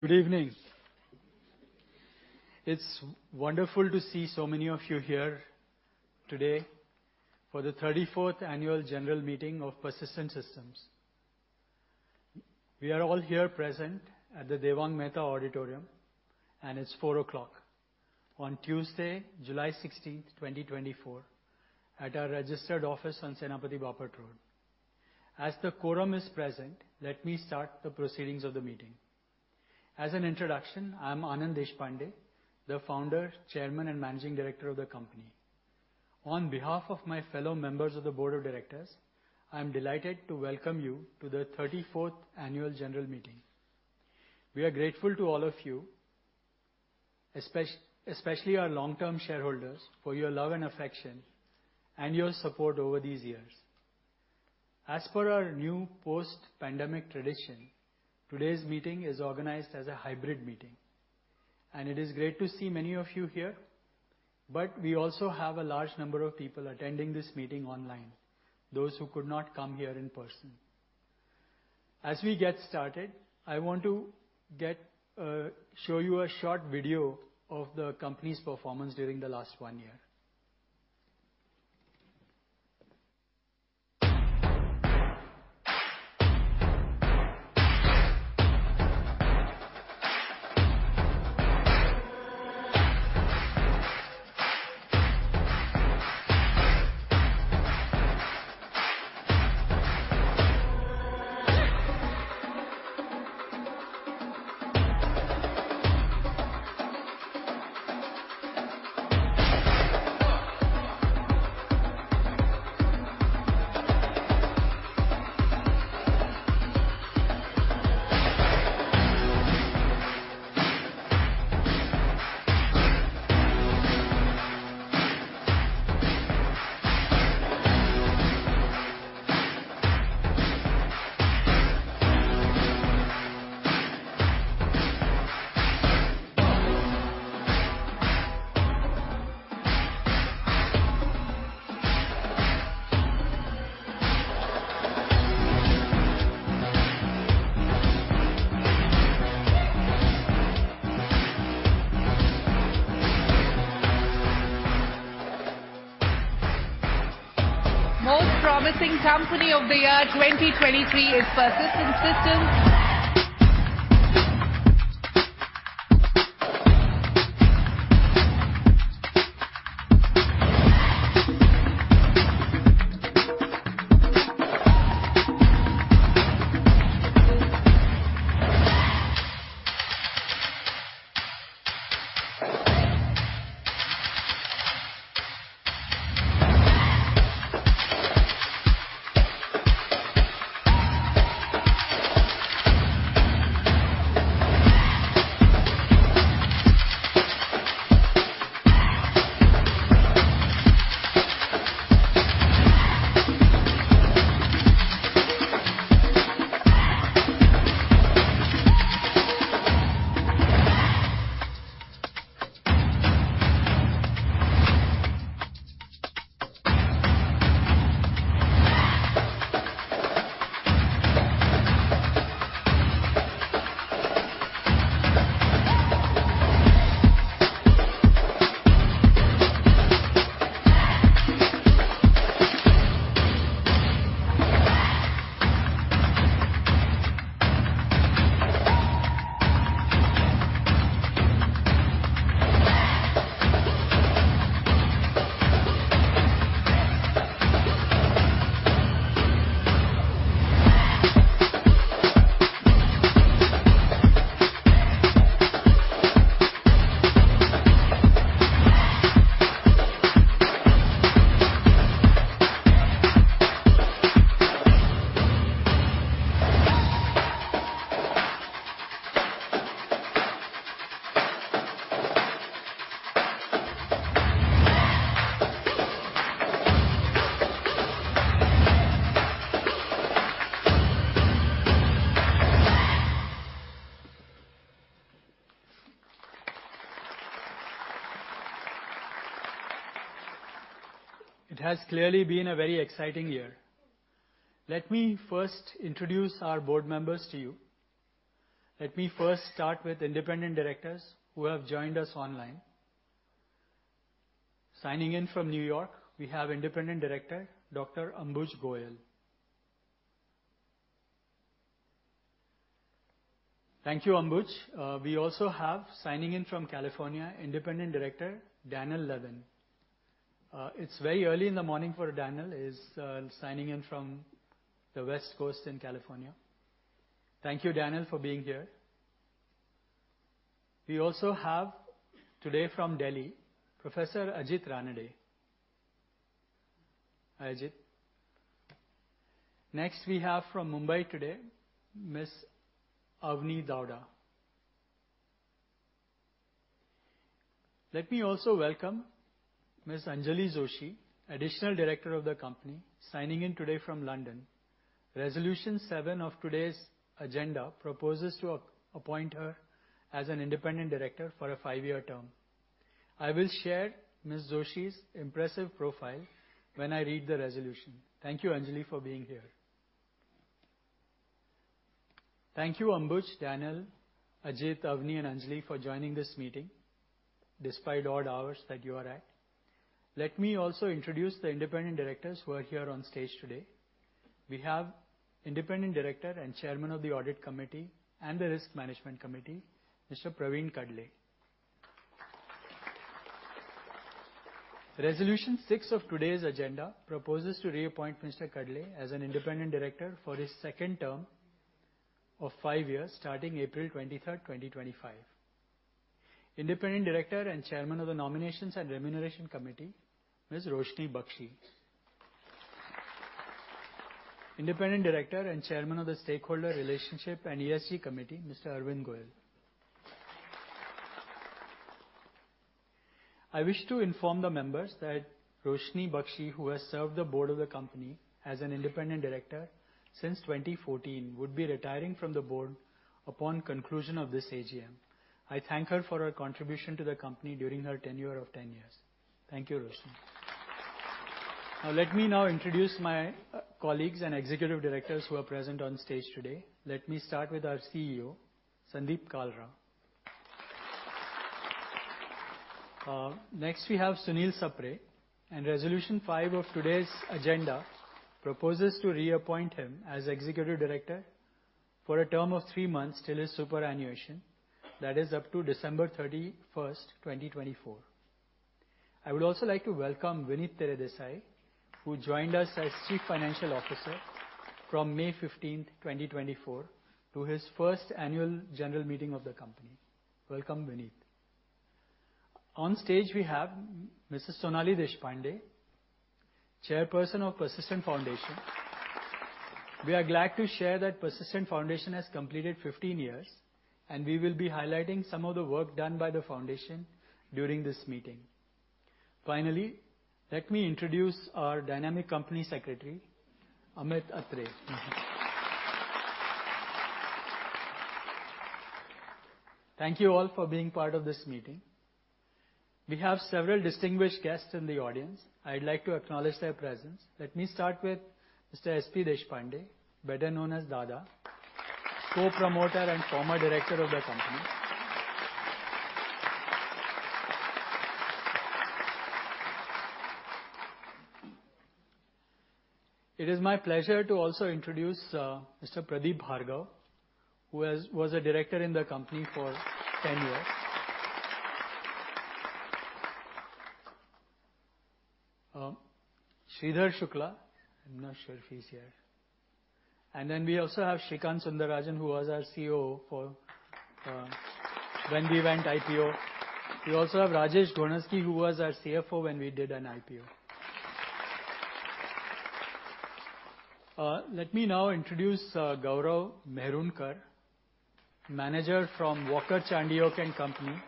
Good evening! It's wonderful to see so many of you here today for the 34th Annual General Meeting of Persistent Systems. We are all here present at the Devang Mehta Auditorium, and it's 4:00 P.M. on Tuesday, July 16, 2024, at our registered office on Senapati Bapat Road. As the quorum is present, let me start the proceedings of the meeting. As an introduction, I'm Anand Deshpande, the founder, chairman, and managing director of the company. On behalf of my fellow members of the board of directors, I'm delighted to welcome you to the 34th Annual General Meeting. We are grateful to all of you, especially our long-term shareholders, for your love and affection and your support over these years. As per our new post-pandemic tradition, today's meeting is organized as a hybrid meeting, and it is great to see many of you here, but we also have a large number of people attending this meeting online, those who could not come here in person. As we get started, I want to show you a short video of the company's performance during the last one year. Most promising company of the year, 2023, is Persistent Systems. It has clearly been a very exciting year. Let me first introduce our board members to you. Let me first start with independent directors who have joined us online. Signing in from New York, we have Independent Director, Dr. Ambuj Goyal. Thank you, Ambuj. We also have, signing in from California, Independent Director, Dan Levin. It's very early in the morning for Dan. He's signing in from the West Coast in California. Thank you, Dan, for being here. We also have today from Delhi, Professor Ajit Ranade. Hi, Ajit. Next, we have from Mumbai today, Ms. Avani Davda. Let me also welcome Ms. Anjali Joshi, Additional Director of the company, signing in today from London. Resolution 7 of today's agenda proposes to appoint her as an independent director for a 5-year term. I will share Ms. Joshi's impressive profile when I read the resolution. Thank you, Anjali, for being here. Thank you, Ambuj, Daniel, Ajit, Avani, and Anjali for joining this meeting despite odd hours that you are at. Let me also introduce the independent directors who are here on stage today. We have Independent Director and Chairman of the Audit Committee and the Risk Management Committee, Mr. Praveen Kadle. Resolution 6 of today's agenda proposes to reappoint Mr. Kadle as an independent director for his second term of five years, starting April 23, 2025. Independent Director and Chairman of the Nominations and Remuneration Committee, Ms. Roshini Bakshi. Independent Director and Chairman of the Stakeholder Relationship and ESG Committee, Mr. Arvind Goel. I wish to inform the members that Roshini Bakshi, who has served the board of the company as an independent director since 2014, would be retiring from the board upon conclusion of this AGM. I thank her for her contribution to the company during her tenure of 10 years. Thank you, Roshini. Now, let me now introduce my colleagues and executive directors who are present on stage today. Let me start with our CEO, Sandeep Kalra. Next, we have Sunil Sapre, and resolution 5 of today's agenda proposes to reappoint him as Executive Director for a term of 3 months till his superannuation, that is up to December 31st, 2024. I would also like to welcome Vinit Teredesai, who joined us as Chief Financial Officer from May 15th, 2024, to his first annual general meeting of the company. Welcome, Vinit. On stage, we have Mrs. Sonali Deshpande, Chairperson of Persistent Foundation. We are glad to share that Persistent Foundation has completed 15 years, and we will be highlighting some of the work done by the foundation during this meeting. Finally, let me introduce our dynamic Company Secretary, Amit Atre. Thank you all for being part of this meeting. We have several distinguished guests in the audience. I'd like to acknowledge their presence. Let me start with Mr. S.P. Deshpande, better known as Dada. Co-promoter and former director of the company. It is my pleasure to also introduce Mr. Pradeep Bhargava, who was a director in the company for 10 years. Shridhar Shukla. I'm not sure if he's here. And then we also have Srikanth Sundararajan, who was our COO for when we went IPO. We also have Rajesh Ghonasgi, who was our CFO when we did an IPO. Let me now introduce Gaurav Waradkar, manager from Walker Chandiok & Co LLP,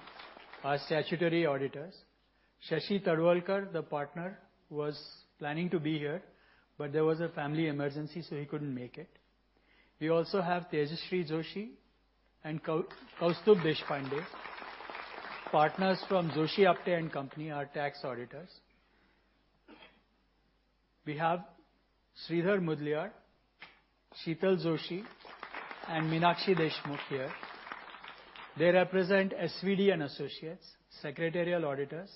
our statutory auditors. Shashi Tadwalkar, the partner, was planning to be here, but there was a family emergency, so he couldn't make it. We also have Tejasvi Joshi and Kaustubh Deshpande, partners from Joshi Apte & Co., our tax auditors. We have Sridhar Mudaliar, Sheetal Joshi, and Meenakshi Deshmukh here. They represent SVD & Associates, secretarial auditors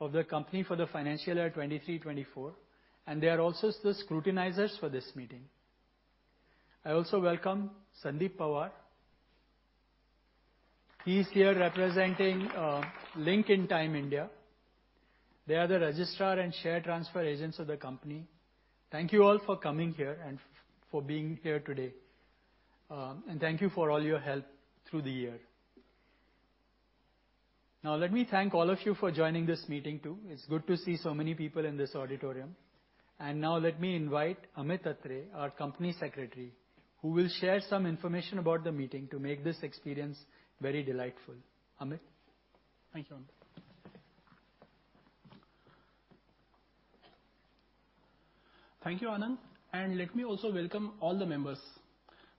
of the company for the financial year 2023-2024, and they are also the scrutinizers for this meeting. I also welcome Sandeep Pawar. He's here representing Link Intime India. They are the registrar and share transfer agents of the company. Thank you all for coming here and for being here today. And thank you for all your help through the year. Now, let me thank all of you for joining this meeting, too. It's good to see so many people in this auditorium. Now let me invite Amit Atre, our Company Secretary, who will share some information about the meeting to make this experience very delightful. Amit? Thank you, Anand. Thank you, Anand, and let me also welcome all the members.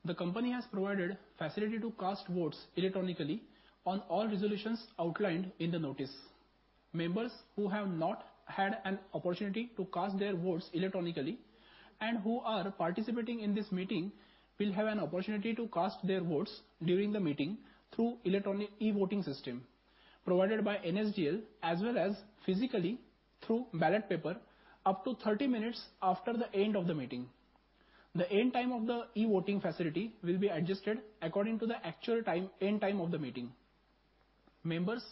The company has provided facility to cast votes electronically on all resolutions outlined in the notice. Members who have not had an opportunity to cast their votes electronically and who are participating in this meeting, will have an opportunity to cast their votes during the meeting through electronic e-voting system provided by NSDL, as well as physically through ballot paper, up to 30 minutes after the end of the meeting. The end time of the e-voting facility will be adjusted according to the actual time, end time of the meeting. Members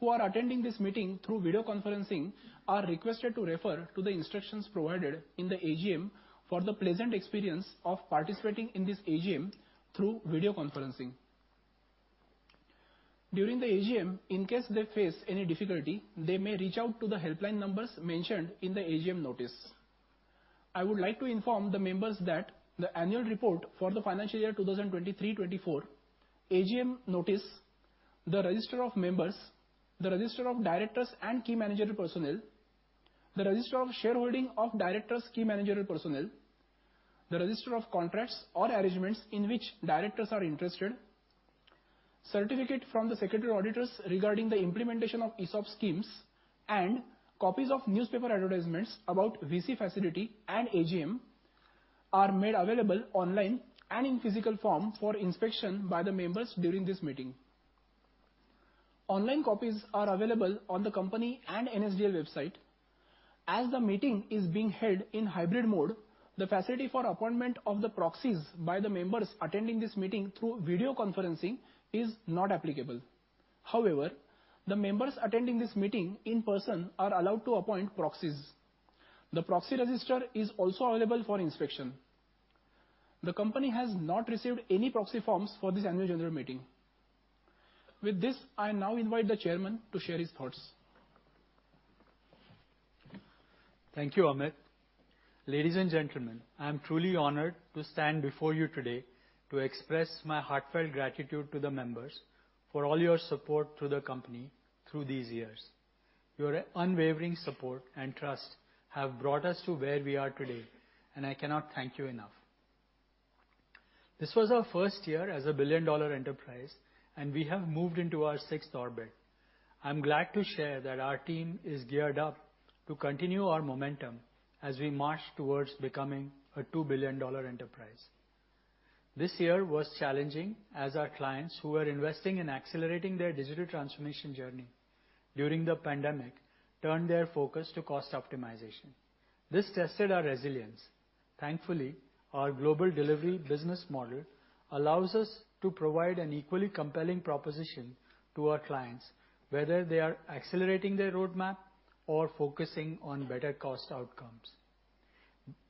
who are attending this meeting through video conferencing are requested to refer to the instructions provided in the AGM for the pleasant experience of participating in this AGM through video conferencing. During the AGM, in case they face any difficulty, they may reach out to the helpline numbers mentioned in the AGM notice. I would like to inform the members that the annual report for the financial year 2023-24, AGM notice, the register of members, the register of directors and key managerial personnel, the register of shareholding of directors and key managerial personnel, the register of contracts or arrangements in which directors are interested, certificate from the secretarial auditors regarding the implementation of ESOP schemes, and copies of newspaper advertisements about VC facility and AGM are made available online and in physical form for inspection by the members during this meeting. Online copies are available on the company and NSDL website. As the meeting is being held in hybrid mode, the facility for appointment of the proxies by the members attending this meeting through video conferencing is not applicable. However, the members attending this meeting in person are allowed to appoint proxies. The proxy register is also available for inspection. The company has not received any proxy forms for this annual general meeting. With this, I now invite the chairman to share his thoughts. Thank you, Amit. Ladies and gentlemen, I am truly honored to stand before you today to express my heartfelt gratitude to the members for all your support to the company through these years. Your unwavering support and trust have brought us to where we are today, and I cannot thank you enough. This was our first year as a billion-dollar enterprise, and we have moved into our sixth orbit. I'm glad to share that our team is geared up to continue our momentum as we march towards becoming a two billion dollar enterprise. This year was challenging, as our clients who were investing in accelerating their digital transformation journey during the pandemic turned their focus to cost optimization. This tested our resilience. Thankfully, our global delivery business model allows us to provide an equally compelling proposition to our clients, whether they are accelerating their roadmap or focusing on better cost outcomes.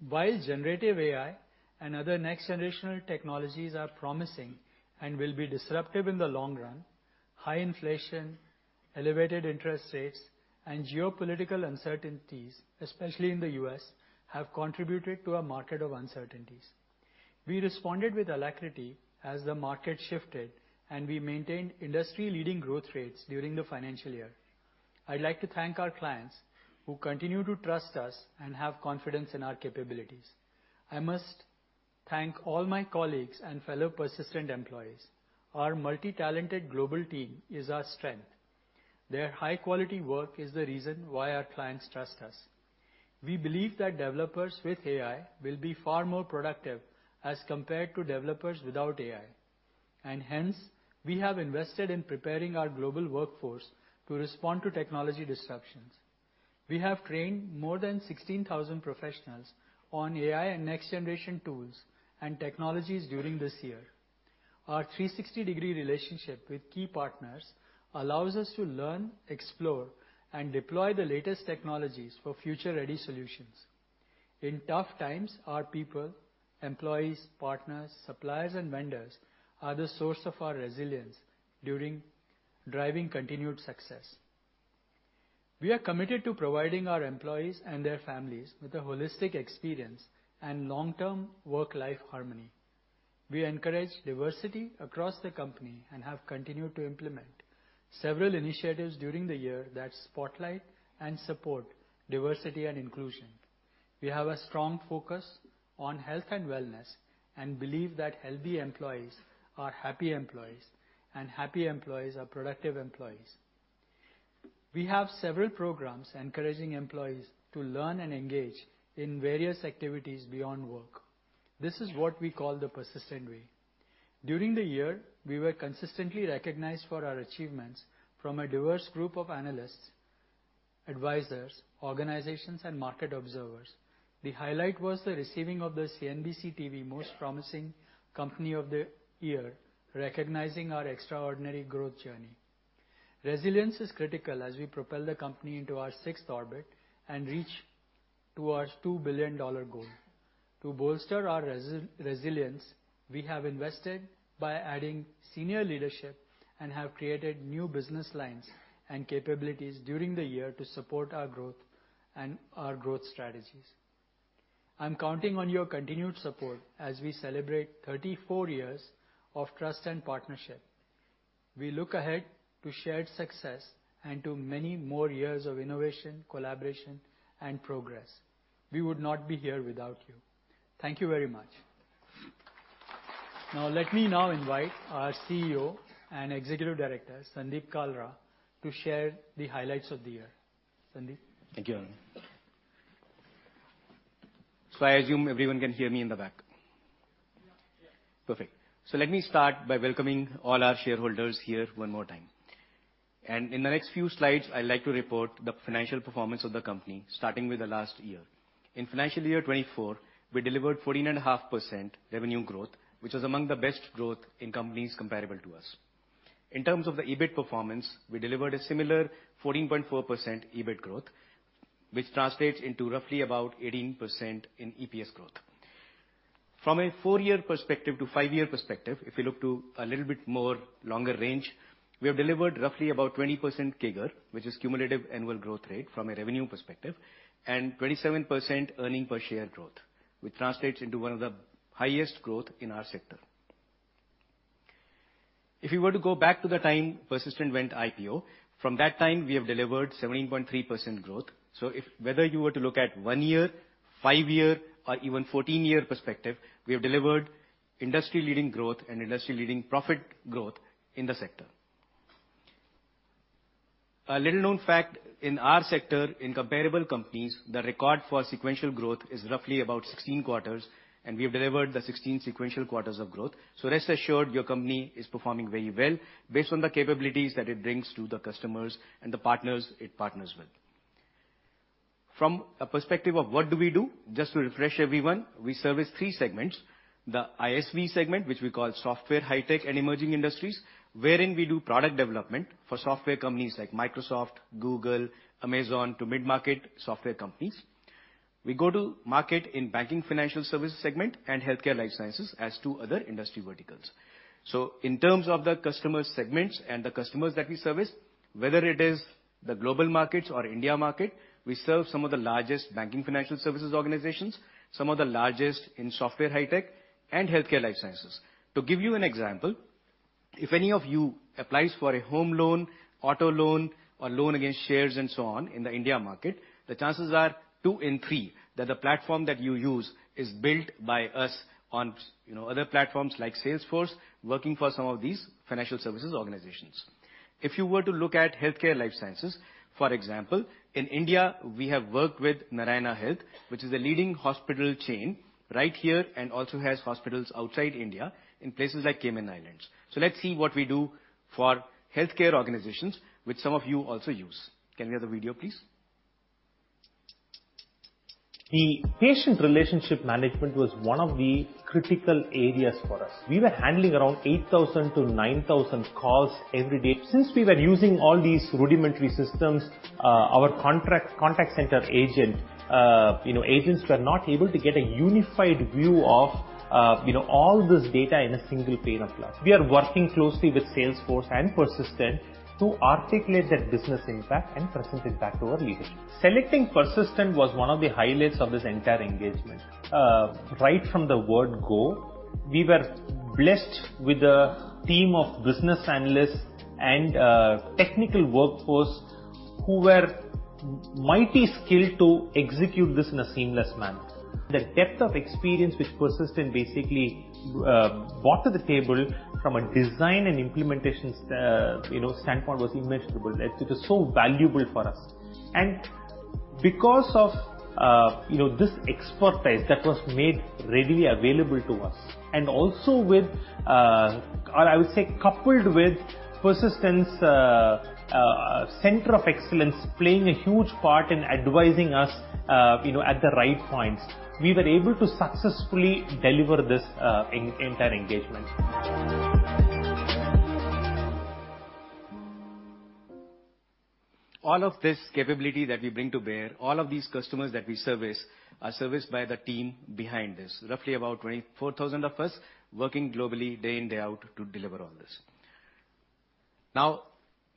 While generative AI and other next-generational technologies are promising and will be disruptive in the long run, high inflation, elevated interest rates, and geopolitical uncertainties, especially in the U.S., have contributed to a market of uncertainties. We responded with alacrity as the market shifted, and we maintained industry-leading growth rates during the financial year. I'd like to thank our clients who continue to trust us and have confidence in our capabilities. I must thank all my colleagues and fellow Persistent employees. Our multi-talented global team is our strength. Their high-quality work is the reason why our clients trust us. We believe that developers with AI will be far more productive as compared to developers without AI, and hence, we have invested in preparing our global workforce to respond to technology disruptions. We have trained more than 16,000 professionals on AI and next-generation tools and technologies during this year. Our 360-degree relationship with key partners allows us to learn, explore, and deploy the latest technologies for future-ready solutions. In tough times, our people, employees, partners, suppliers, and vendors are the source of our resilience, driving continued success. We are committed to providing our employees and their families with a holistic experience and long-term work-life harmony. We encourage diversity across the company and have continued to implement several initiatives during the year that spotlight and support diversity and inclusion. We have a strong focus on health and wellness, and believe that healthy employees are happy employees, and happy employees are productive employees. We have several programs encouraging employees to learn and engage in various activities beyond work. This is what we call the Persistent Way. During the year, we were consistently recognized for our achievements from a diverse group of analysts, advisors, organizations, and market observers. The highlight was the receiving of the CNBC-TV18 Most Promising Company of the Year, recognizing our extraordinary growth journey. Resilience is critical as we propel the company into our sixth orbit and reach towards $2 billion goal. To bolster our resilience, we have invested by adding senior leadership and have created new business lines and capabilities during the year to support our growth and our growth strategies. I'm counting on your continued support as we celebrate 34 years of trust and partnership. We look ahead to shared success and to many more years of innovation, collaboration, and progress. We would not be here without you. Thank you very much. Now, let me now invite our CEO and Executive Director, Sandeep Kalra, to share the highlights of the year. Sandeep? Thank you. So I assume everyone can hear me in the back? Yeah. Perfect. So let me start by welcoming all our shareholders here one more time. In the next few slides, I'd like to report the financial performance of the company, starting with the last year. In financial year 2024, we delivered 14.5% revenue growth, which was among the best growth in companies comparable to us. In terms of the EBIT performance, we delivered a similar 14.4% EBIT growth, which translates into roughly about 18% in EPS growth. From a 4-year perspective to 5-year perspective, if we look to a little bit more longer range, we have delivered roughly about 20% CAGR, which is cumulative annual growth rate from a revenue perspective, and 27% earnings per share growth, which translates into one of the highest growth in our sector. If you were to go back to the time Persistent went IPO, from that time, we have delivered 17.3% growth. So if whether you were to look at 1-year, 5-year, or even 14-year perspective, we have delivered industry-leading growth and industry-leading profit growth in the sector. A little-known fact, in our sector, in comparable companies, the record for sequential growth is roughly about 16 quarters, and we have delivered the 16 sequential quarters of growth. So rest assured, your company is performing very well based on the capabilities that it brings to the customers and the partners it partners with. From a perspective of what do we do? Just to refresh everyone, we service three segments: the ISV segment, which we call software, high tech, and emerging industries, wherein we do product development for software companies like Microsoft, Google, Amazon, to mid-market software companies. We go to market in banking financial services segment and healthcare life sciences as two other industry verticals. So in terms of the customer segments and the customers that we service, whether it is the global markets or India market, we serve some of the largest banking financial services organizations, some of the largest in software, high tech, and healthcare life sciences. To give you an example, if any of you applies for a home loan, auto loan, or loan against shares, and so on in the India market, the chances are 2 in 3, that the platform that you use is built by us on, you know, other platforms like Salesforce, working for some of these financial services organizations. If you were to look at healthcare life sciences, for example, in India, we have worked with Narayana Health, which is a leading hospital chain right here, and also has hospitals outside India in places like Cayman Islands. So let's see what we do for healthcare organizations, which some of you also use. Can we have the video, please? The patient relationship management was one of the critical areas for us. We were handling around 8,000-9,000 calls every day. Since we were using all these rudimentary systems, our contact center agent, you know, agents were not able to get a unified view of, you know, all this data in a single pane of glass. We are working closely with Salesforce and Persistent to articulate that business impact and present it back to our leadership. Selecting Persistent was one of the highlights of this entire engagement. Right from the word go, we were blessed with a team of business analysts and, technical workforce who were mighty skilled to execute this in a seamless manner. The depth of experience which Persistent basically brought to the table from a design and implementation standpoint, was immeasurable. It was so valuable for us. And because of, you know, this expertise that was made readily available to us, and also with, or I would say, coupled with Persistent Center of Excellence, playing a huge part in advising us, you know, at the right points, we were able to successfully deliver this entire engagement. All of this capability that we bring to bear, all of these customers that we service, are serviced by the team behind this. Roughly about 24,000 of us, working globally, day in, day out, to deliver all this. Now,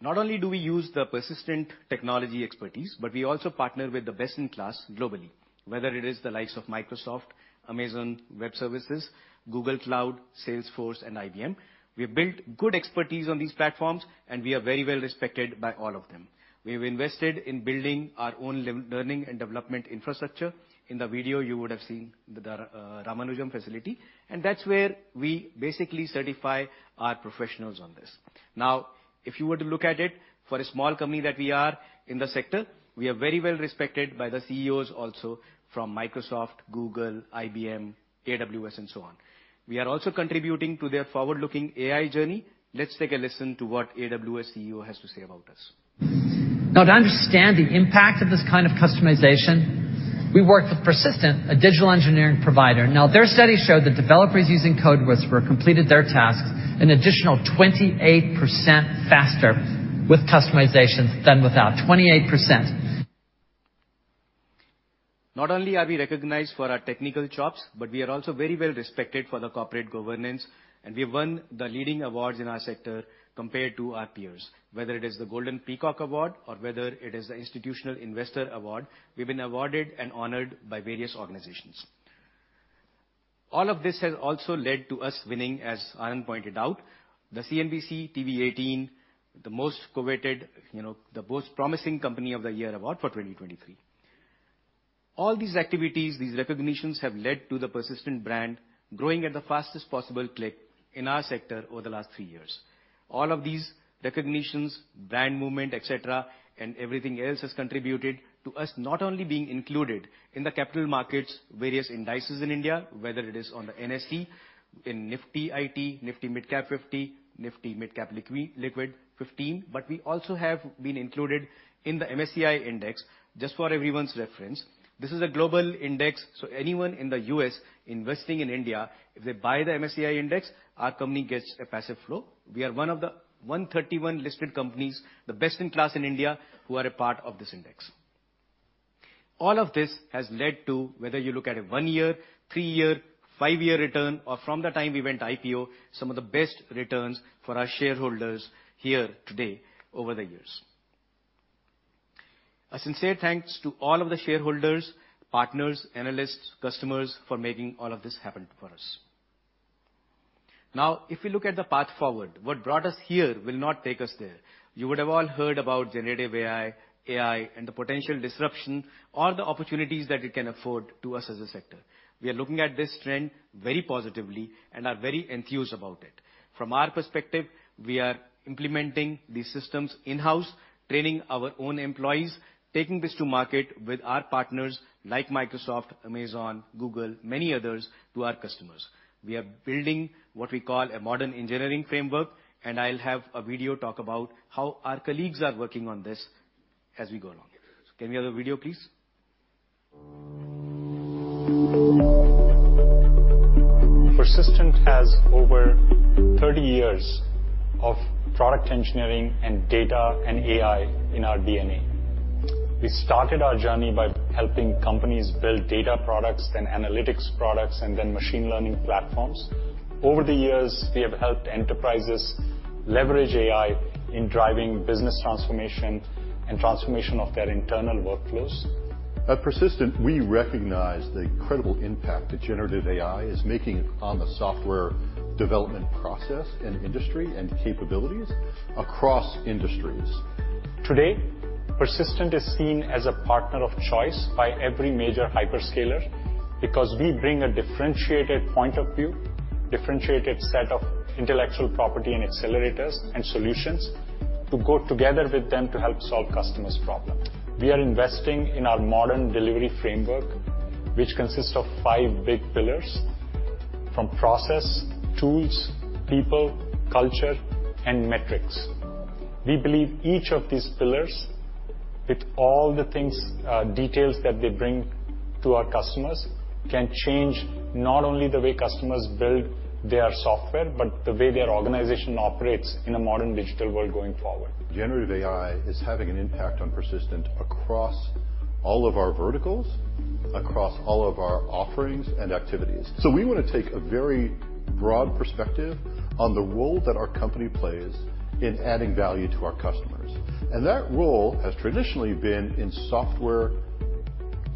not only do we use the Persistent technology expertise, but we also partner with the best-in-class globally. Whether it is the likes of Microsoft, Amazon Web Services, Google Cloud, Salesforce, and IBM. We have built good expertise on these platforms, and we are very well respected by all of them. We have invested in building our own learning and development infrastructure. In the video, you would have seen the Ramanujan facility, and that's where we basically certify our professionals on this. Now, if you were to look at it, for a small company that we are in the sector, we are very well respected by the CEOs also from Microsoft, Google, IBM, AWS, and so on. We are also contributing to their forward-looking AI journey. Let's take a listen to what AWS CEO has to say about us. Now, to understand the impact of this kind of customization, we worked with Persistent, a digital engineering provider. Now, their study showed that developers using CodeWhisperer completed their tasks an additional 28% faster with customizations than without. 28%! Not only are we recognized for our technical chops, but we are also very well respected for the corporate governance, and we have won the leading awards in our sector compared to our peers. Whether it is the Golden Peacock Award or whether it is the Institutional Investor Award, we've been awarded and honored by various organizations. All of this has also led to us winning, as Anand pointed out, the CNBC-TV18, the most coveted, you know, the Most Promising Company of the Year award for 2023. All these activities, these recognitions, have led to the Persistent brand growing at the fastest possible clip in our sector over the last three years. All of these recognitions, brand movement, et cetera, and everything else has contributed to us not only being included in the capital markets, various indices in India, whether it is on the NSE, in Nifty IT, Nifty Midcap 50, Nifty Midcap Liquid 15, but we also have been included in the MSCI index. Just for everyone's reference, this is a global index, so anyone in the U.S. investing in India, if they buy the MSCI index, our company gets a passive flow. We are one of the 131 listed companies, the best in class in India, who are a part of this index. All of this has led to whether you look at a 1-year, 3-year, 5-year return, or from the time we went IPO, some of the best returns for our shareholders here today over the years. A sincere thanks to all of the shareholders, partners, analysts, customers, for making all of this happen for us. Now, if we look at the path forward, what brought us here will not take us there. You would have all heard about generative AI, AI, and the potential disruption or the opportunities that it can afford to us as a sector. We are looking at this trend very positively and are very enthused about it. From our perspective, we are implementing these systems in-house, training our own employees, taking this to market with our partners like Microsoft, Amazon, Google, many others, to our customers. We are building what we call a modern engineering framework, and I'll have a video talk about how our colleagues are working on this as we go along. Can we have the video, please? Persistent has over 30 years of product engineering and data and AI in our DNA. We started our journey by helping companies build data products, then analytics products, and then machine learning platforms. Over the years, we have helped enterprises leverage AI in driving business transformation and transformation of their internal workflows. At Persistent, we recognize the incredible impact that Generative AI is making on the software development process and industry and capabilities across industries. Today, Persistent is seen as a partner of choice by every major hyperscaler because we bring a differentiated point of view, differentiated set of intellectual property and accelerators and solutions to go together with them to help solve customers' problems. We are investing in our modern delivery framework, which consists of five big pillars, from process, tools, people, culture, and metrics. We believe each of these pillars, with all the things, details that they bring to our customers, can change not only the way customers build their software, but the way their organization operates in a modern digital world going forward. Generative AI is having an impact on Persistent across all of our verticals, across all of our offerings and activities. So we want to take a very broad perspective on the role that our company plays in adding value to our customers, and that role has traditionally been in software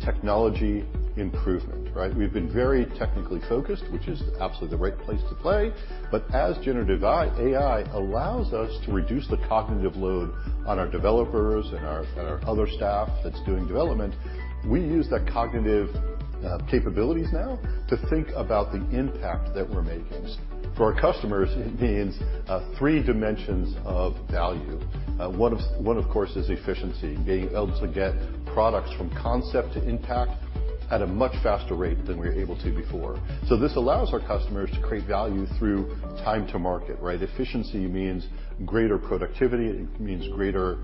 technology improvement, right? We've been very technically focused, which is absolutely the right place to play. But as generative AI, AI allows us to reduce the cognitive load on our developers and our other staff that's doing development, we use the cognitive capabilities now to think about the impact that we're making. For our customers, it means three dimensions of value. One, of course, is efficiency, being able to get products from concept to impact at a much faster rate than we were able to before. So this allows our customers to create value through time to market, right? Efficiency means greater productivity, it means greater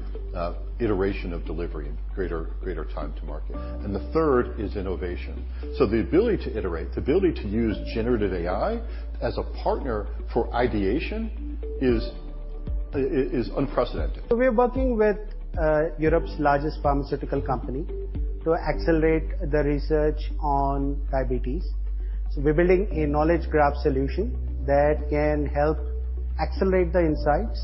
iteration of delivery, and greater, greater time to market. And the third is innovation. So the ability to iterate, the ability to use generative AI as a partner for ideation is unprecedented. We are working with Europe's largest pharmaceutical company to accelerate the research on diabetes. So we're building a Knowledge Graph solution that can help accelerate the insights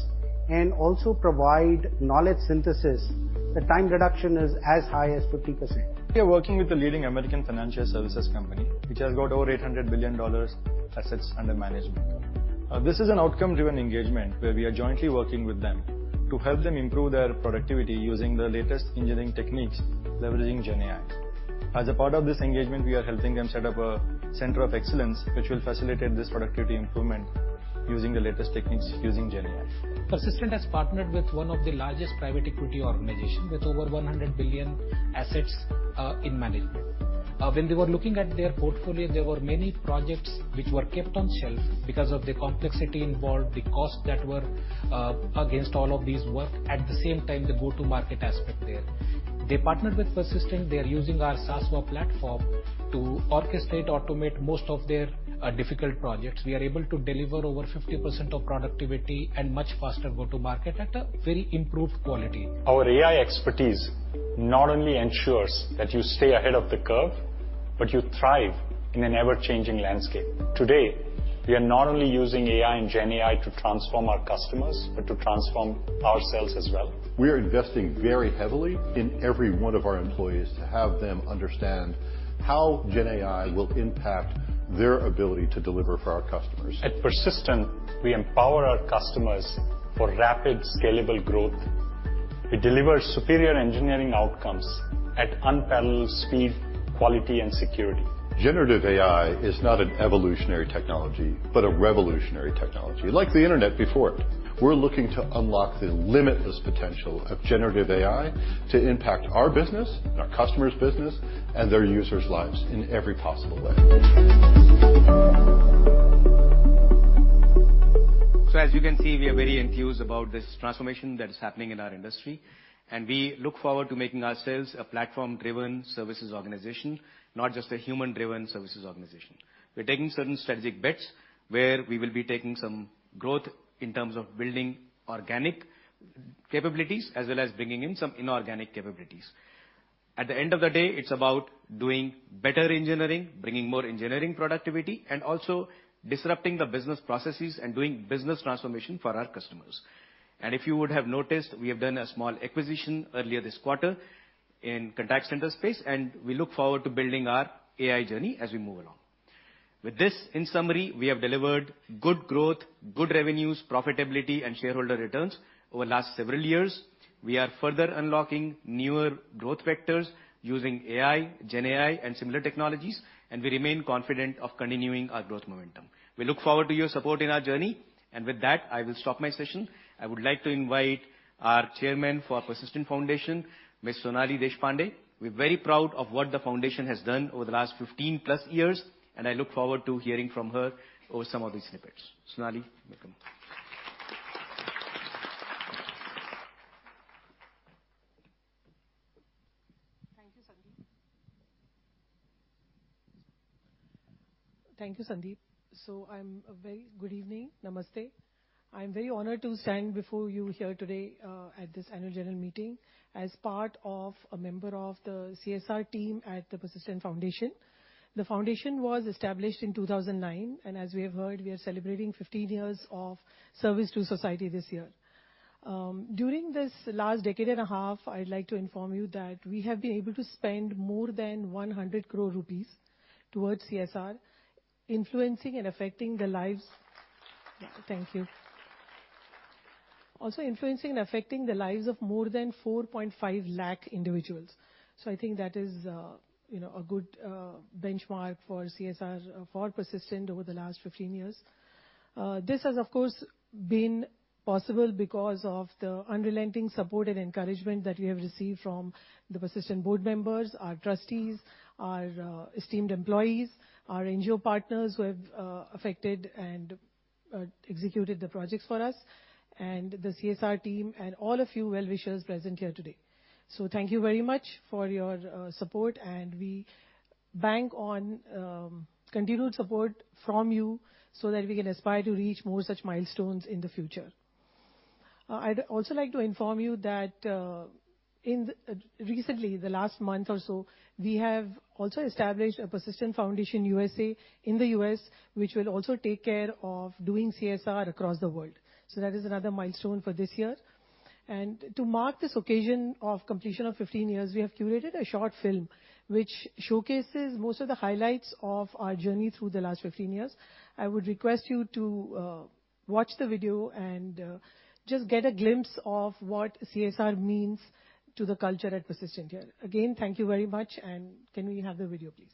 and also provide knowledge synthesis. The time reduction is as high as 50%. We are working with a leading American financial services company, which has got over $800 billion assets under management. This is an outcome-driven engagement, where we are jointly working with them to help them improve their productivity using the latest engineering techniques, leveraging GenAI. As a part of this engagement, we are helping them set up a center of excellence, which will facilitate this productivity improvement using the latest techniques, using GenAI. Persistent has partnered with one of the largest private equity organization, with over $100 billion assets in management. When they were looking at their portfolio, there were many projects which were kept on shelf because of the complexity involved, the cost that were against all of these work, at the same time, the go-to-market aspect there. They partnered with Persistent. They are using our Sasva platform to orchestrate, automate most of their difficult projects. We are able to deliver over 50% of productivity and much faster go-to-market at a very improved quality. Our AI expertise not only ensures that you stay ahead of the curve, but you thrive in an ever-changing landscape. Today, we are not only using AI and GenAI to transform our customers, but to transform ourselves as well. We are investing very heavily in every one of our employees to have them understand how GenAI will impact their ability to deliver for our customers. At Persistent, we empower our customers for rapid, scalable growth. We deliver superior engineering outcomes at unparalleled speed, quality, and security. Generative AI is not an evolutionary technology, but a revolutionary technology, like the internet before it. We're looking to unlock the limitless potential of generative AI to impact our business, our customers' business, and their users' lives in every possible way. So as you can see, we are very enthused about this transformation that is happening in our industry, and we look forward to making ourselves a platform-driven services organization, not just a human-driven services organization. We're taking certain strategic bets, where we will be taking some growth in terms of building organic capabilities, as well as bringing in some inorganic capabilities. At the end of the day, it's about doing better engineering, bringing more engineering productivity, and also disrupting the business processes and doing business transformation for our customers. And if you would have noticed, we have done a small acquisition earlier this quarter in contact center space, and we look forward to building our AI journey as we move along. With this, in summary, we have delivered good growth, good revenues, profitability, and shareholder returns over the last several years. We are further unlocking newer growth vectors using AI, GenAI, and similar technologies, and we remain confident of continuing our growth momentum. We look forward to your support in our journey, and with that, I will stop my session. I would like to invite our Chairman for Persistent Foundation, Ms. Sonali Deshpande. We're very proud of what the foundation has done over the last 15+ years, and I look forward to hearing from her over some of these snippets. Sonali, welcome. Thank you, Sandeep. Thank you, Sandeep. Good evening. Namaste. I'm very honored to stand before you here today at this annual general meeting as part of a member of the CSR team at the Persistent Foundation. The foundation was established in 2009, and as we have heard, we are celebrating 15 years of service to society this year. During this last decade and a half, I'd like to inform you that we have been able to spend more than 100 crore rupees towards CSR, influencing and affecting the lives- Thank you. Also influencing and affecting the lives of more than 450,000 individuals. So I think that is, you know, a good benchmark for CSR for Persistent over the last 15 years. This has, of course, been possible because of the unrelenting support and encouragement that we have received from the Persistent board members, our trustees, our esteemed employees, our NGO partners who have affected and executed the projects for us, and the CSR team, and all of you well-wishers present here today. So thank you very much for your support, and we bank on continued support from you so that we can aspire to reach more such milestones in the future. I'd also like to inform you that, in the recently, the last month or so, we have also established a Persistent Foundation USA in the U.S., which will also take care of doing CSR across the world. So that is another milestone for this year. To mark this occasion of completion of 15 years, we have curated a short film which showcases most of the highlights of our journey through the last 15 years. I would request you to watch the video and just get a glimpse of what CSR means to the culture at Persistent. Again, thank you very much, and can we have the video, please?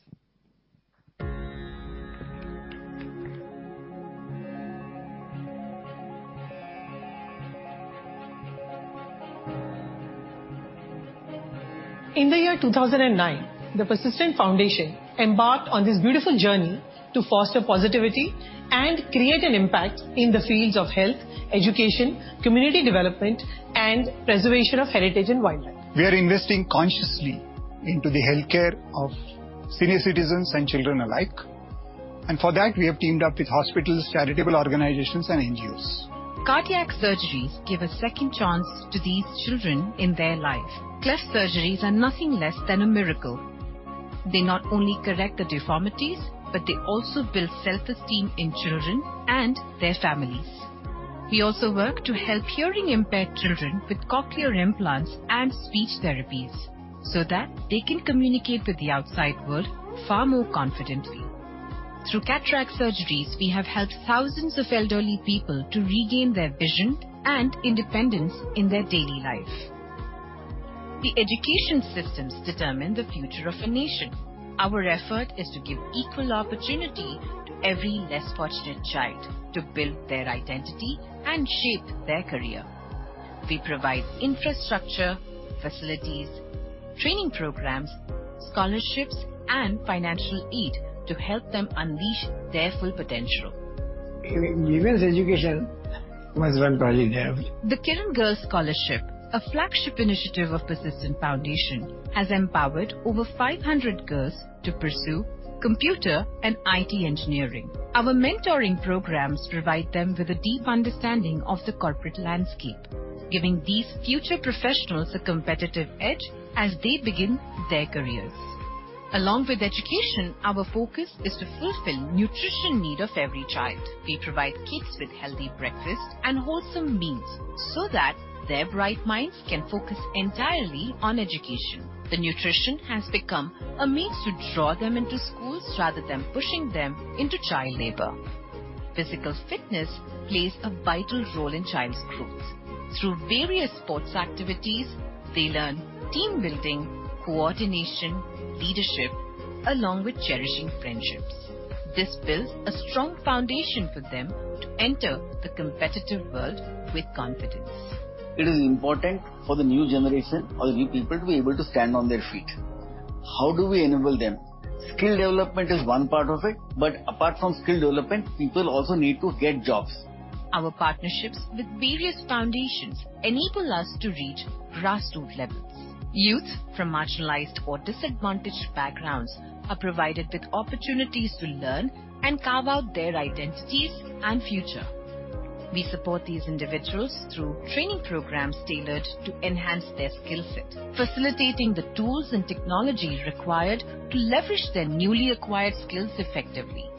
In the year 2009, the Persistent Foundation embarked on this beautiful journey to foster positivity and create an impact in the fields of health, education, community development, and preservation of heritage and wildlife. We are investing consciously into the healthcare of senior citizens and children alike, and for that, we have teamed up with hospitals, charitable organizations, and NGOs. Cardiac surgeries give a second chance to these children in their life. Cleft surgeries are nothing less than a miracle. They not only correct the deformities, but they also build self-esteem in children and their families. We also work to help hearing-impaired children with cochlear implants and speech therapies, so that they can communicate with the outside world far more confidently. Through cataract surgeries, we have helped thousands of elderly people to regain their vision and independence in their daily life. The education systems determine the future of a nation. Our effort is to give equal opportunity to every less fortunate child to build their identity and shape their career. We provide infrastructure, facilities, training programs, scholarships, and financial aid to help them unleash their full potential. Women's education must run parallel. The Kiran Girls Scholarship, a flagship initiative of Persistent Foundation, has empowered over 500 girls to pursue computer and IT engineering. Our mentoring programs provide them with a deep understanding of the corporate landscape, giving these future professionals a competitive edge as they begin their careers. Along with education, our focus is to fulfill nutrition need of every child. We provide kids with healthy breakfast and wholesome meals, so that their bright minds can focus entirely on education. The nutrition has become a means to draw them into schools rather than pushing them into child labor. Physical fitness plays a vital role in child's growth. Through various sports activities, they learn team building, coordination, leadership, along with cherishing friendships. This builds a strong foundation for them to enter the competitive world with confidence. It is important for the new generation or the new people to be able to stand on their feet. How do we enable them? Skill development is one part of it, but apart from skill development, people also need to get jobs. Our partnerships with various foundations enable us to reach grassroots levels. Youth from marginalized or disadvantaged backgrounds are provided with opportunities to learn and carve out their identities and future. We support these individuals through training programs tailored to enhance their skill sets, facilitating the tools and technology required to leverage their newly acquired skills effectively.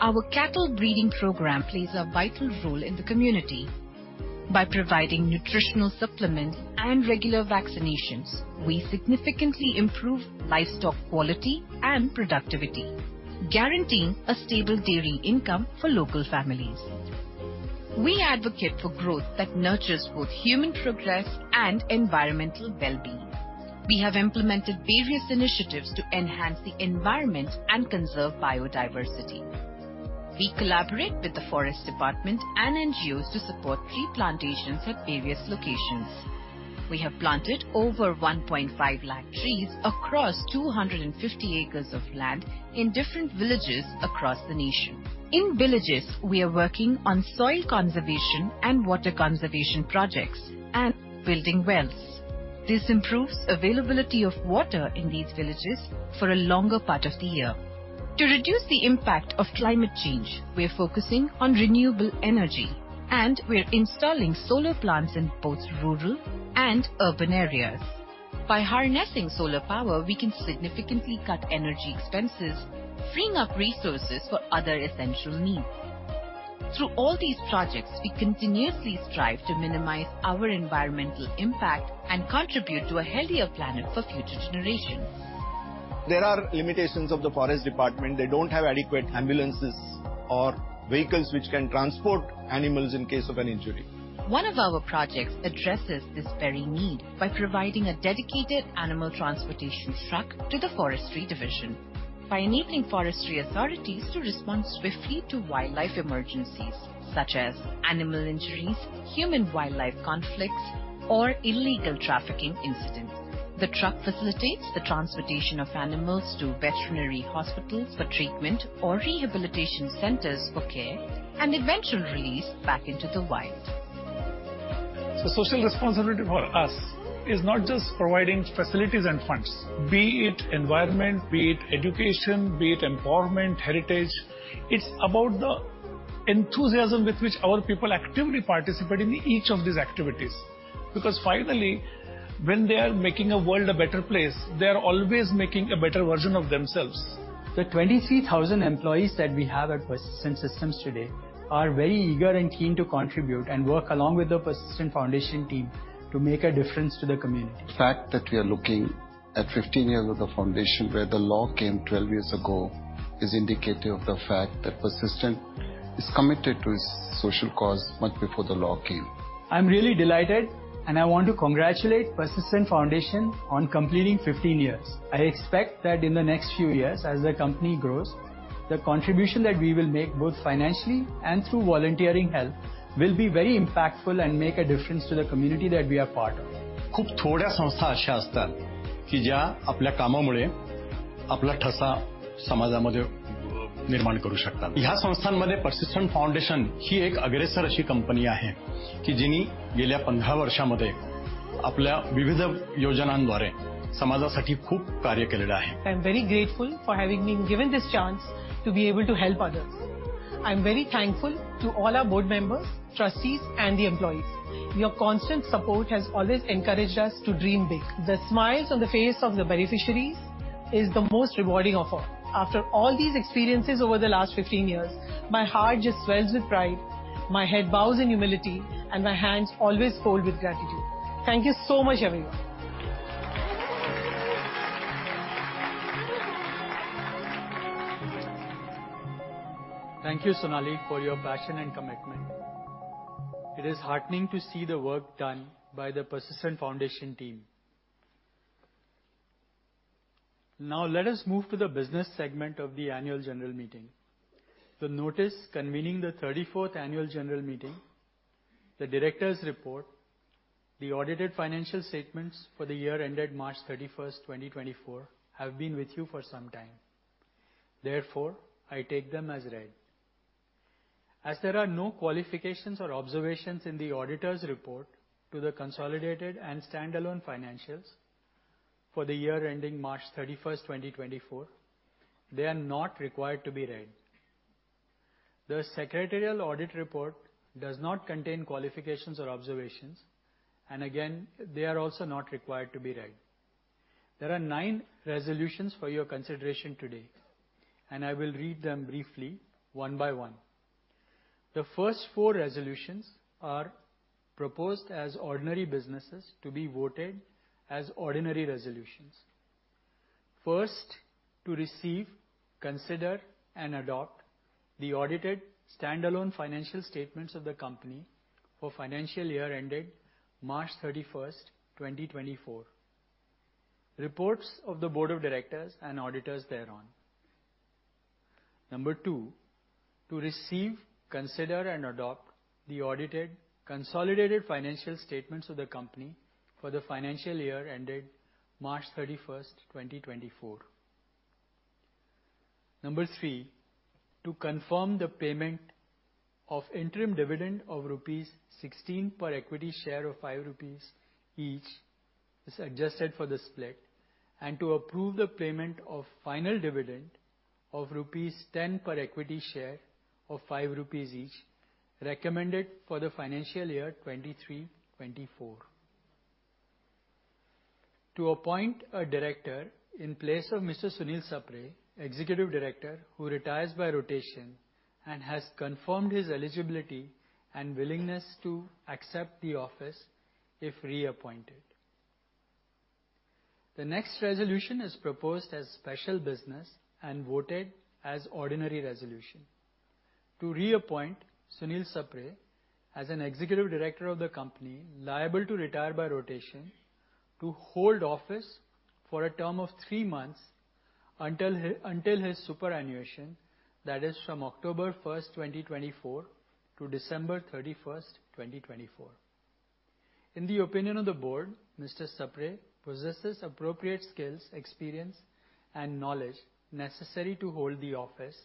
Our cattle breeding program plays a vital role in the community. By providing nutritional supplements and regular vaccinations, we significantly improve livestock quality and productivity, guaranteeing a stable dairy income for local families. We advocate for growth that nurtures both human progress and environmental well-being. We have implemented various initiatives to enhance the environment and conserve biodiversity. We collaborate with the forest department and NGOs to support tree plantations at various locations. We have planted over 150,000 trees across 250 acres of land in different villages across the nation. In villages, we are working on soil conservation and water conservation projects and building wells. This improves availability of water in these villages for a longer part of the year. To reduce the impact of climate change, we are focusing on renewable energy, and we are installing solar plants in both rural and urban areas. By harnessing solar power, we can significantly cut energy expenses, freeing up resources for other essential needs. Through all these projects, we continuously strive to minimize our environmental impact and contribute to a healthier planet for future generations. There are limitations of the forest department. They don't have adequate ambulances or vehicles which can transport animals in case of an injury. One of our projects addresses this very need by providing a dedicated animal transportation truck to the forestry division. By enabling forestry authorities to respond swiftly to wildlife emergencies, such as animal injuries, human-wildlife conflicts, or illegal trafficking incidents, the truck facilitates the transportation of animals to veterinary hospitals for treatment or rehabilitation centers for care and eventual release back into the wild. Social responsibility for us is not just providing facilities and funds, be it environment, be it education, be it empowerment, heritage. It's about the enthusiasm with which our people actively participate in each of these activities, because finally, when they are making a world a better place, they are always making a better version of themselves. The 23,000 employees that we have at Persistent Systems today are very eager and keen to contribute and work along with the Persistent Foundation team to make a difference to the community. The fact that we are looking at 15 years of the foundation, where the law came 12 years ago, is indicative of the fact that Persistent is committed to its social cause much before the law came. I'm really delighted, and I want to congratulate Persistent Foundation on completing 15 years. I expect that in the next few years, as the company grows, the contribution that we will make, both financially and through volunteering help, will be very impactful and make a difference to the community that we are part of. I'm very grateful for having been given this chance to be able to help others. I'm very thankful to all our board members, trustees, and the employees. Your constant support has always encouraged us to dream big. The smiles on the face of the beneficiaries is the most rewarding of all. After all these experiences over the last 15 years, my heart just swells with pride, my head bows in humility, and my hands always fold with gratitude. Thank you so much, everyone. Thank you, Sonali, for your passion and commitment. It is heartening to see the work done by the Persistent Foundation team. Now let us move to the business segment of the annual general meeting. The notice convening the 34th annual general meeting, the directors' report, the audited financial statements for the year ended March 31, 2024, have been with you for some time. Therefore, I take them as read. As there are no qualifications or observations in the auditor's report to the consolidated and standalone financials for the year ending March 31, 2024, they are not required to be read. The secretarial audit report does not contain qualifications or observations, and again, they are also not required to be read. There are 9 resolutions for your consideration today, and I will read them briefly one by one. The first four resolutions are proposed as ordinary businesses to be voted as ordinary resolutions. First, to receive, consider, and adopt the audited standalone financial statements of the company for financial year ended March 31, 2024. Reports of the board of directors and auditors thereon. Number two, to receive, consider, and adopt the audited consolidated financial statements of the company for the financial year ended March 31, 2024. Number three, to confirm the payment of interim dividend of rupees 16 per equity share of 5 rupees each.... is adjusted for the split, and to approve the payment of final dividend of rupees 10 per equity share of 5 rupees each, recommended for the financial year 2023-24. To appoint a director in place of Mr. Sunil Sapre, Executive Director, who retires by rotation and has confirmed his eligibility and willingness to accept the office if reappointed. The next resolution is proposed as special business and voted as ordinary resolution. To reappoint Sunil Sapre as an executive director of the company, liable to retire by rotation, to hold office for a term of three months until his superannuation, that is from October 1, 2024, to December 31, 2024. In the opinion of the board, Mr. Sapre possesses appropriate skills, experience, and knowledge necessary to hold the office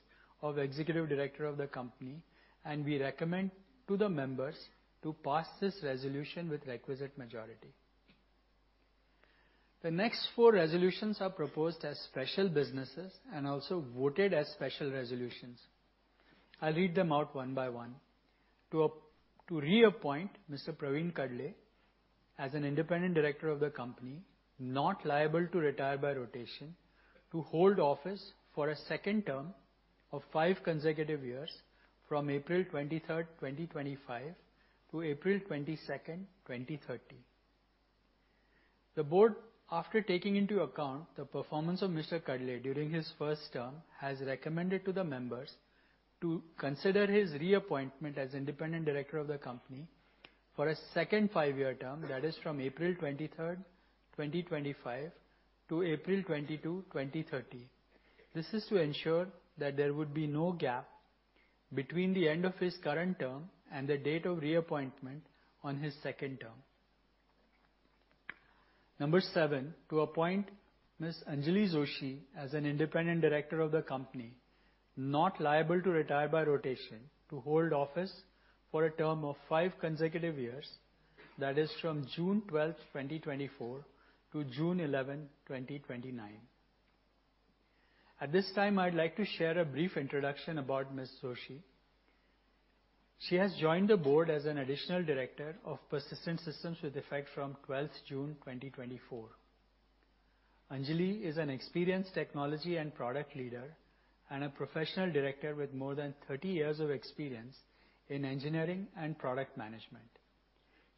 of executive director of the company, and we recommend to the members to pass this resolution with requisite majority. The next four resolutions are proposed as special businesses and also voted as special resolutions. I'll read them out one by one. To reappoint Mr. Praveen Kadle as an independent director of the company, not liable to retire by rotation, to hold office for a second term of five consecutive years from April 23, 2025 to April 22, 2030. The board, after taking into account the performance of Mr. Kadle during his first term, has recommended to the members to consider his reappointment as independent director of the company for a second five-year term, that is from April 23, 2025 to April 22, 2030. This is to ensure that there would be no gap between the end of his current term and the date of reappointment on his second term. Number seven, to appoint Ms. Anjali Joshi as an independent director of the company, not liable to retire by rotation, to hold office for a term of 5 consecutive years, that is from June 12, 2024 to June 11, 2029. At this time, I'd like to share a brief introduction about Ms. Joshi. She has joined the board as an additional director of Persistent Systems with effect from 12 June, 2024. Anjali is an experienced technology and product leader and a professional director with more than 30 years of experience in engineering and product management.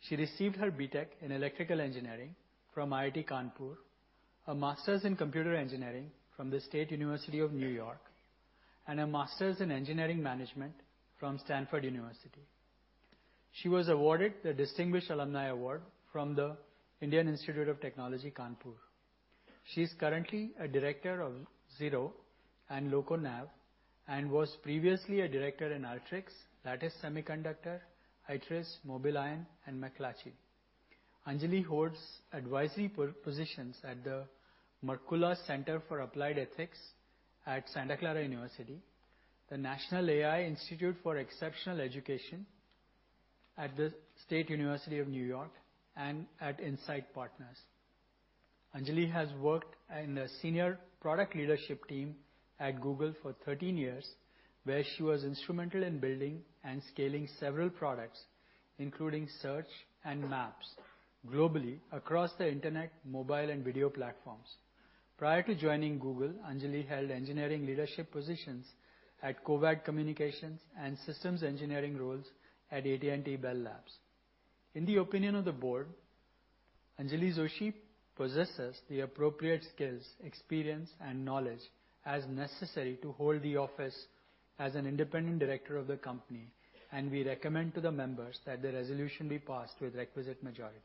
She received her BTech in Electrical Engineering from IIT Kanpur, a master's in Computer Engineering from the State University of New York, and a master's in Engineering Management from Stanford University. She was awarded the Distinguished Alumni Award from the Indian Institute of Technology Kanpur. She's currently a director of Xero and LocoNav, and was previously a director in Alteryx, Lattice Semiconductor, Iteris, MobileIron, and McClatchy. Anjali holds advisory positions at the Markkula Center for Applied Ethics at Santa Clara University, the National AI Institute for Exceptional Education at the State University of New York, and at Insight Partners. Anjali has worked in the senior product leadership team at Google for 13 years, where she was instrumental in building and scaling several products, including Search and Maps, globally across the internet, mobile, and video platforms. Prior to joining Google, Anjali held engineering leadership positions at Covad Communications and systems engineering roles at AT&T Bell Labs. In the opinion of the board, Anjali Joshi possesses the appropriate skills, experience, and knowledge as necessary to hold the office as an independent director of the company, and we recommend to the members that the resolution be passed with requisite majority.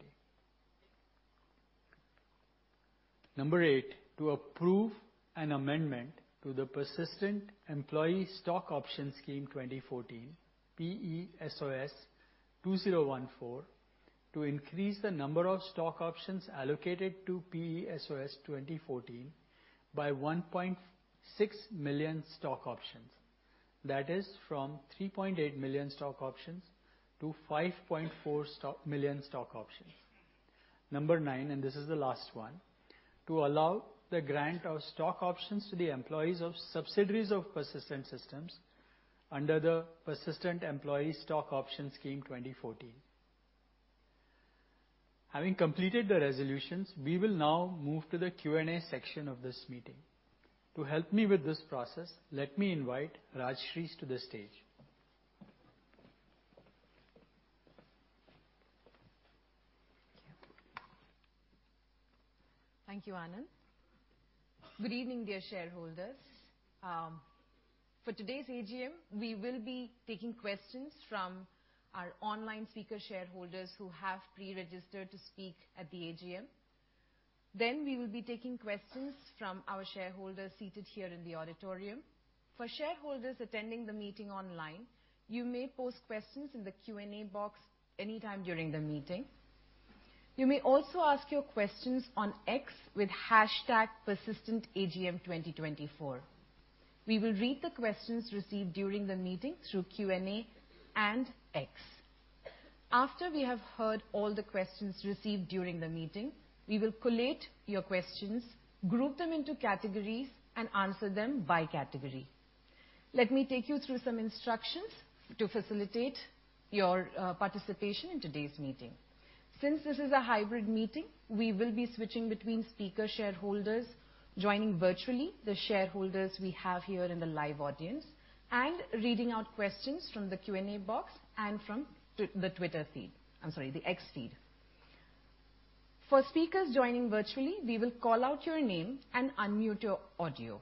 Number 8, to approve an amendment to the Persistent Employee Stock Option Scheme 2014, PESOS 2014, to increase the number of stock options allocated to PESOS 2014 by 1.6 million stock options. That is from 3.8 million stock options to 5.4 million stock options. Number 9, and this is the last one, to allow the grant of stock options to the employees of subsidiaries of Persistent Systems under the Persistent Employee Stock Option Scheme 2014. Having completed the resolutions, we will now move to the Q&A section of this meeting. To help me with this process, let me invite Rajshree to the stage. Thank you, Anand. Good evening, dear shareholders. For today's AGM, we will be taking questions from our online speaker shareholders who have pre-registered to speak at the AGM. Then we will be taking questions from our shareholders seated here in the auditorium. For shareholders attending the meeting online, you may pose questions in the Q&A box anytime during the meeting. You may also ask your questions on X with hashtag Persistent AGM 2024. We will read the questions received during the meeting through Q&A and X. After we have heard all the questions received during the meeting, we will collate your questions, group them into categories, and answer them by category. Let me take you through some instructions to facilitate your participation in today's meeting. Since this is a hybrid meeting, we will be switching between speaker shareholders joining virtually, the shareholders we have here in the live audience, and reading out questions from the Q&A box and from the Twitter feed. I'm sorry, the X feed. For speakers joining virtually, we will call out your name and unmute your audio.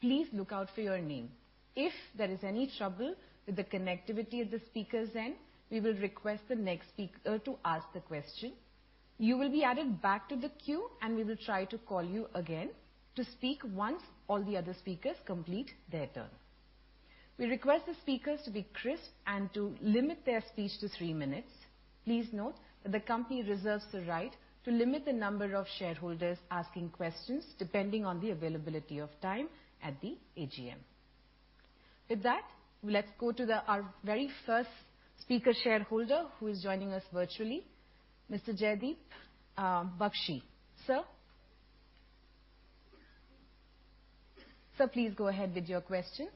Please look out for your name. If there is any trouble with the connectivity at the speaker's end, we will request the next speaker to ask the question. You will be added back to the queue, and we will try to call you again to speak once all the other speakers complete their turn. We request the speakers to be crisp and to limit their speech to three minutes. Please note that the company reserves the right to limit the number of shareholders asking questions, depending on the availability of time at the AGM. With that, let's go to our very first speaker shareholder, who is joining us virtually, Mr. Jaideep Bakshi. Sir? Sir, please go ahead with your question.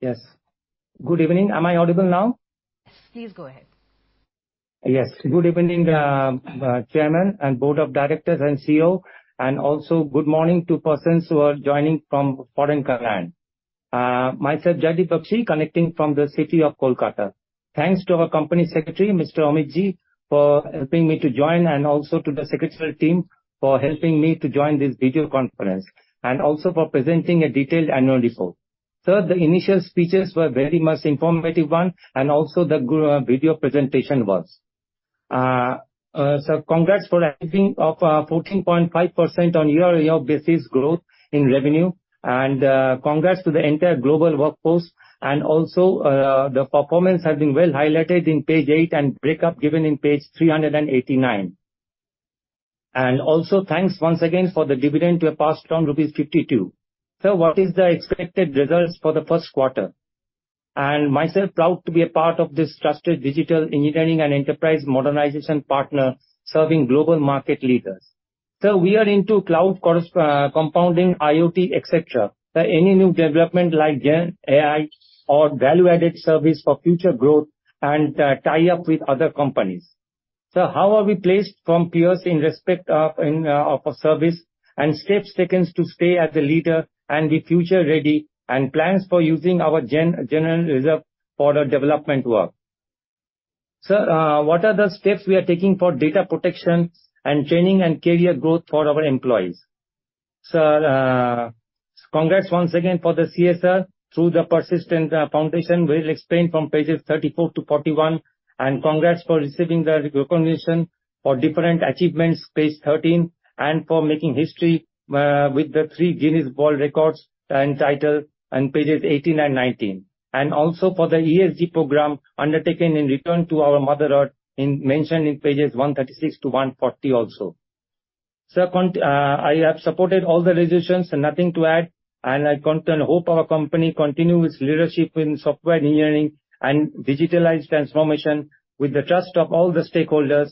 Yes. Good evening. Am I audible now? Please go ahead. Yes. Good evening, chairman and board of directors and CEO, and also good morning to persons who are joining from foreign land. Myself, Jaideep Bakshi, connecting from the city of Kolkata. Thanks to our company secretary, Mr. Amit, for helping me to join and also to the secretarial team for helping me to join this video conference, and also for presenting a detailed annual report. Sir, the initial speeches were very much informative one, and also the video presentation was. So congrats for achieving of, fourteen point five percent on year-on-year basis growth in revenue, and, congrats to the entire global workforce. And also, the performance has been well highlighted in page eight, and breakup given in page 389. And also, thanks once again for the dividend you have passed on rupees 52. Sir, what is the expected results for the first quarter? Myself proud to be a part of this trusted digital engineering and enterprise modernization partner serving global market leaders. Sir, we are into cloud computing, IoT, et cetera. Sir, any new development like Gen AI or value-added service for future growth and tie up with other companies? Sir, how are we placed from peers in respect of service and steps taken to stay as a leader and be future-ready, and plans for using our general reserve for the development work? Sir, what are the steps we are taking for data protection and training and career growth for our employees? Sir, congrats once again for the CSR through the Persistent Foundation, well explained from pages 34 to 41. Congrats for receiving the recognition for different achievements, page 13, and for making history with the 3 Guinness World Records and title on pages 18 and 19. And also for the ESG program undertaken in return to our mother Earth, as mentioned in pages 136 to 140 also. Sir, point, I have supported all the resolutions and nothing to add, and I hope our company continue its leadership in software engineering and digital transformation with the trust of all the stakeholders,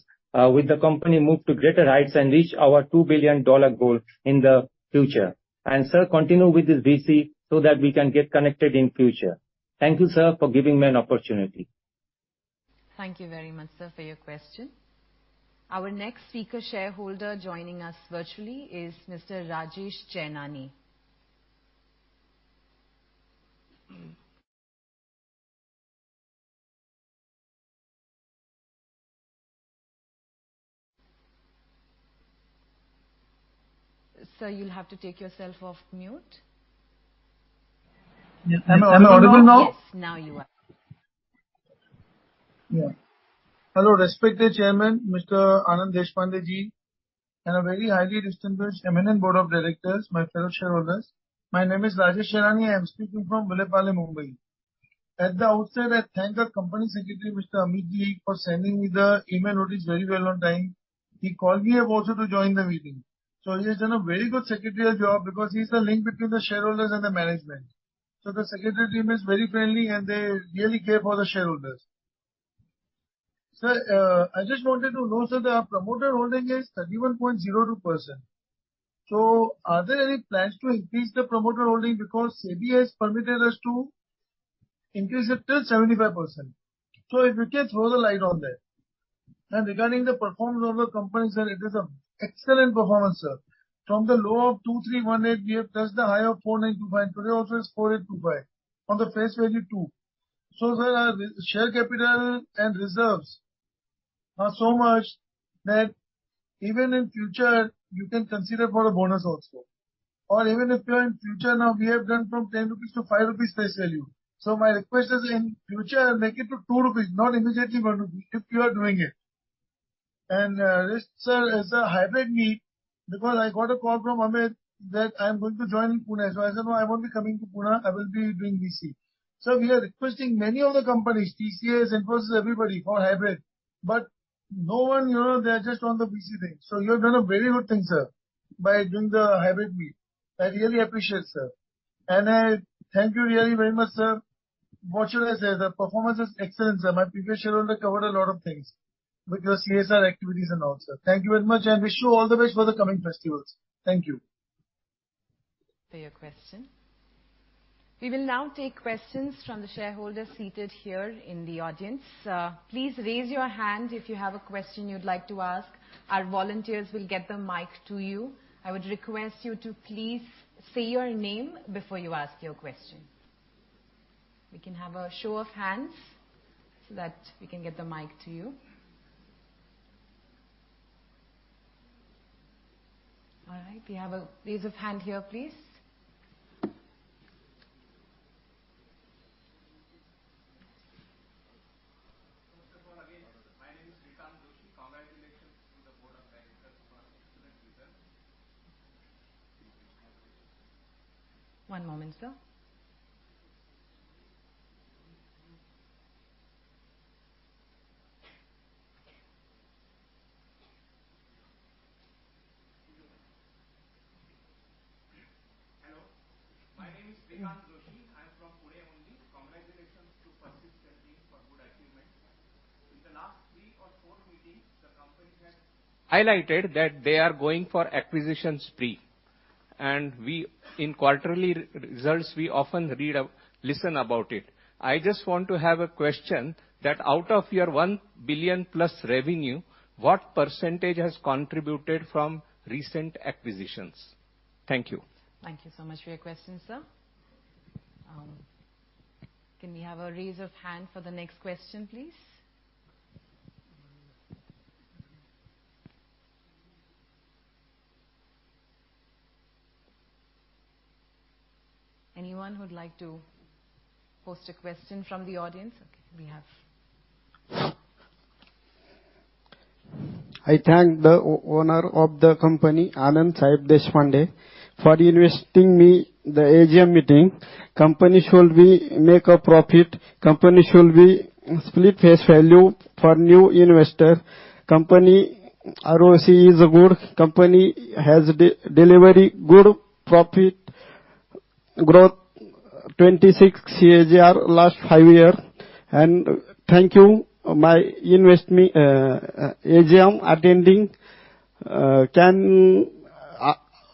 with the company move to greater heights and reach our $2 billion goal in the future. And sir, continue with this VC so that we can get connected in future. Thank you, sir, for giving me an opportunity. Thank you very much, sir, for your question. Our next speaker shareholder joining us virtually is Mr. Rajesh Chainani. Sir, you'll have to take yourself off mute. Yes. Am I audible now? Yes, now you are. Yeah. Hello, respected Chairman, Mr. Anand Deshpandeji, and a very highly distinguished eminent board of directors, my fellow shareholders. My name is Rajesh Chainani, I am speaking from Vile Parle, Mumbai. At the outset, I thank our company secretary, Mr. Amit, for sending me the email notice very well on time. He called me up also to join the meeting. So he has done a very good secretarial job, because he's the link between the shareholders and the management. So the secretary team is very friendly, and they really care for the shareholders. Sir, I just wanted to know, sir, the promoter holding is 31.02%. So are there any plans to increase the promoter holding? Because SEBI has permitted us to increase it till 75%. So if you can throw the light on that. Regarding the performance of the company, sir, it is an excellent performance, sir. From the low of 2318, we have touched the high of 4925. Today also is 4825, on the face value of 2. So, sir, our share capital and reserves are so much that even in future you can consider for a bonus also. Or even if you're in future now, we have gone from 10 rupees to 5 rupees face value. So my request is, in future, make it to 2 rupees, not immediately 1 rupee, if you are doing it. And, this, sir, is a hybrid meet, because I got a call from Amit that I'm going to join in Pune. So I said, "No, I won't be coming to Pune, I will be doing VC." Sir, we are requesting many of the companies, TCS, Infosys, everybody, for hybrid, but no one, you know, they are just on the PC thing. So you have done a very good thing, sir, by doing the hybrid meet. I really appreciate, sir. And I thank you really very much, sir. What should I say? The performance is excellent, sir. My previous shareholder covered a lot of things with your CSR activities and all, sir. Thank you very much, and wish you all the best for the coming festivals. Thank you. For your question. We will now take questions from the shareholders seated here in the audience. Please raise your hand if you have a question you'd like to ask. Our volunteers will get the mic to you. I would request you to please say your name before you ask your question. We can have a show of hands so that we can get the mic to you. All right, we have a raise of hand here, please. First of all, again, my name is Shrikant Doshi. Congratulations to the board of directors for excellent results. One moment, sir. Hello, my name is Shrikant Doshi. I'm from Pune only. Congratulations to Persistent team for good achievement. In the last three or four meetings, the company has highlighted that they are going for acquisitions spree, and we, in quarterly results, we often read or listen about it. I just want to have a question that out of your $1 billion+ revenue, what percentage has contributed from recent acquisitions? Thank you. Thank you so much for your question, sir. Can we have a raise of hand for the next question, please? Anyone who'd like to post a question from the audience? Okay, we have. I thank the owner of the company, Anand Sahib Deshpande, for investing me the AGM meeting. Company should be make a profit. Company should be split face value for new investor. Company ROC is good. Company has de-delivery good profit growth, 26 CAGR last five years. And thank you, my invest me, AGM attending. Can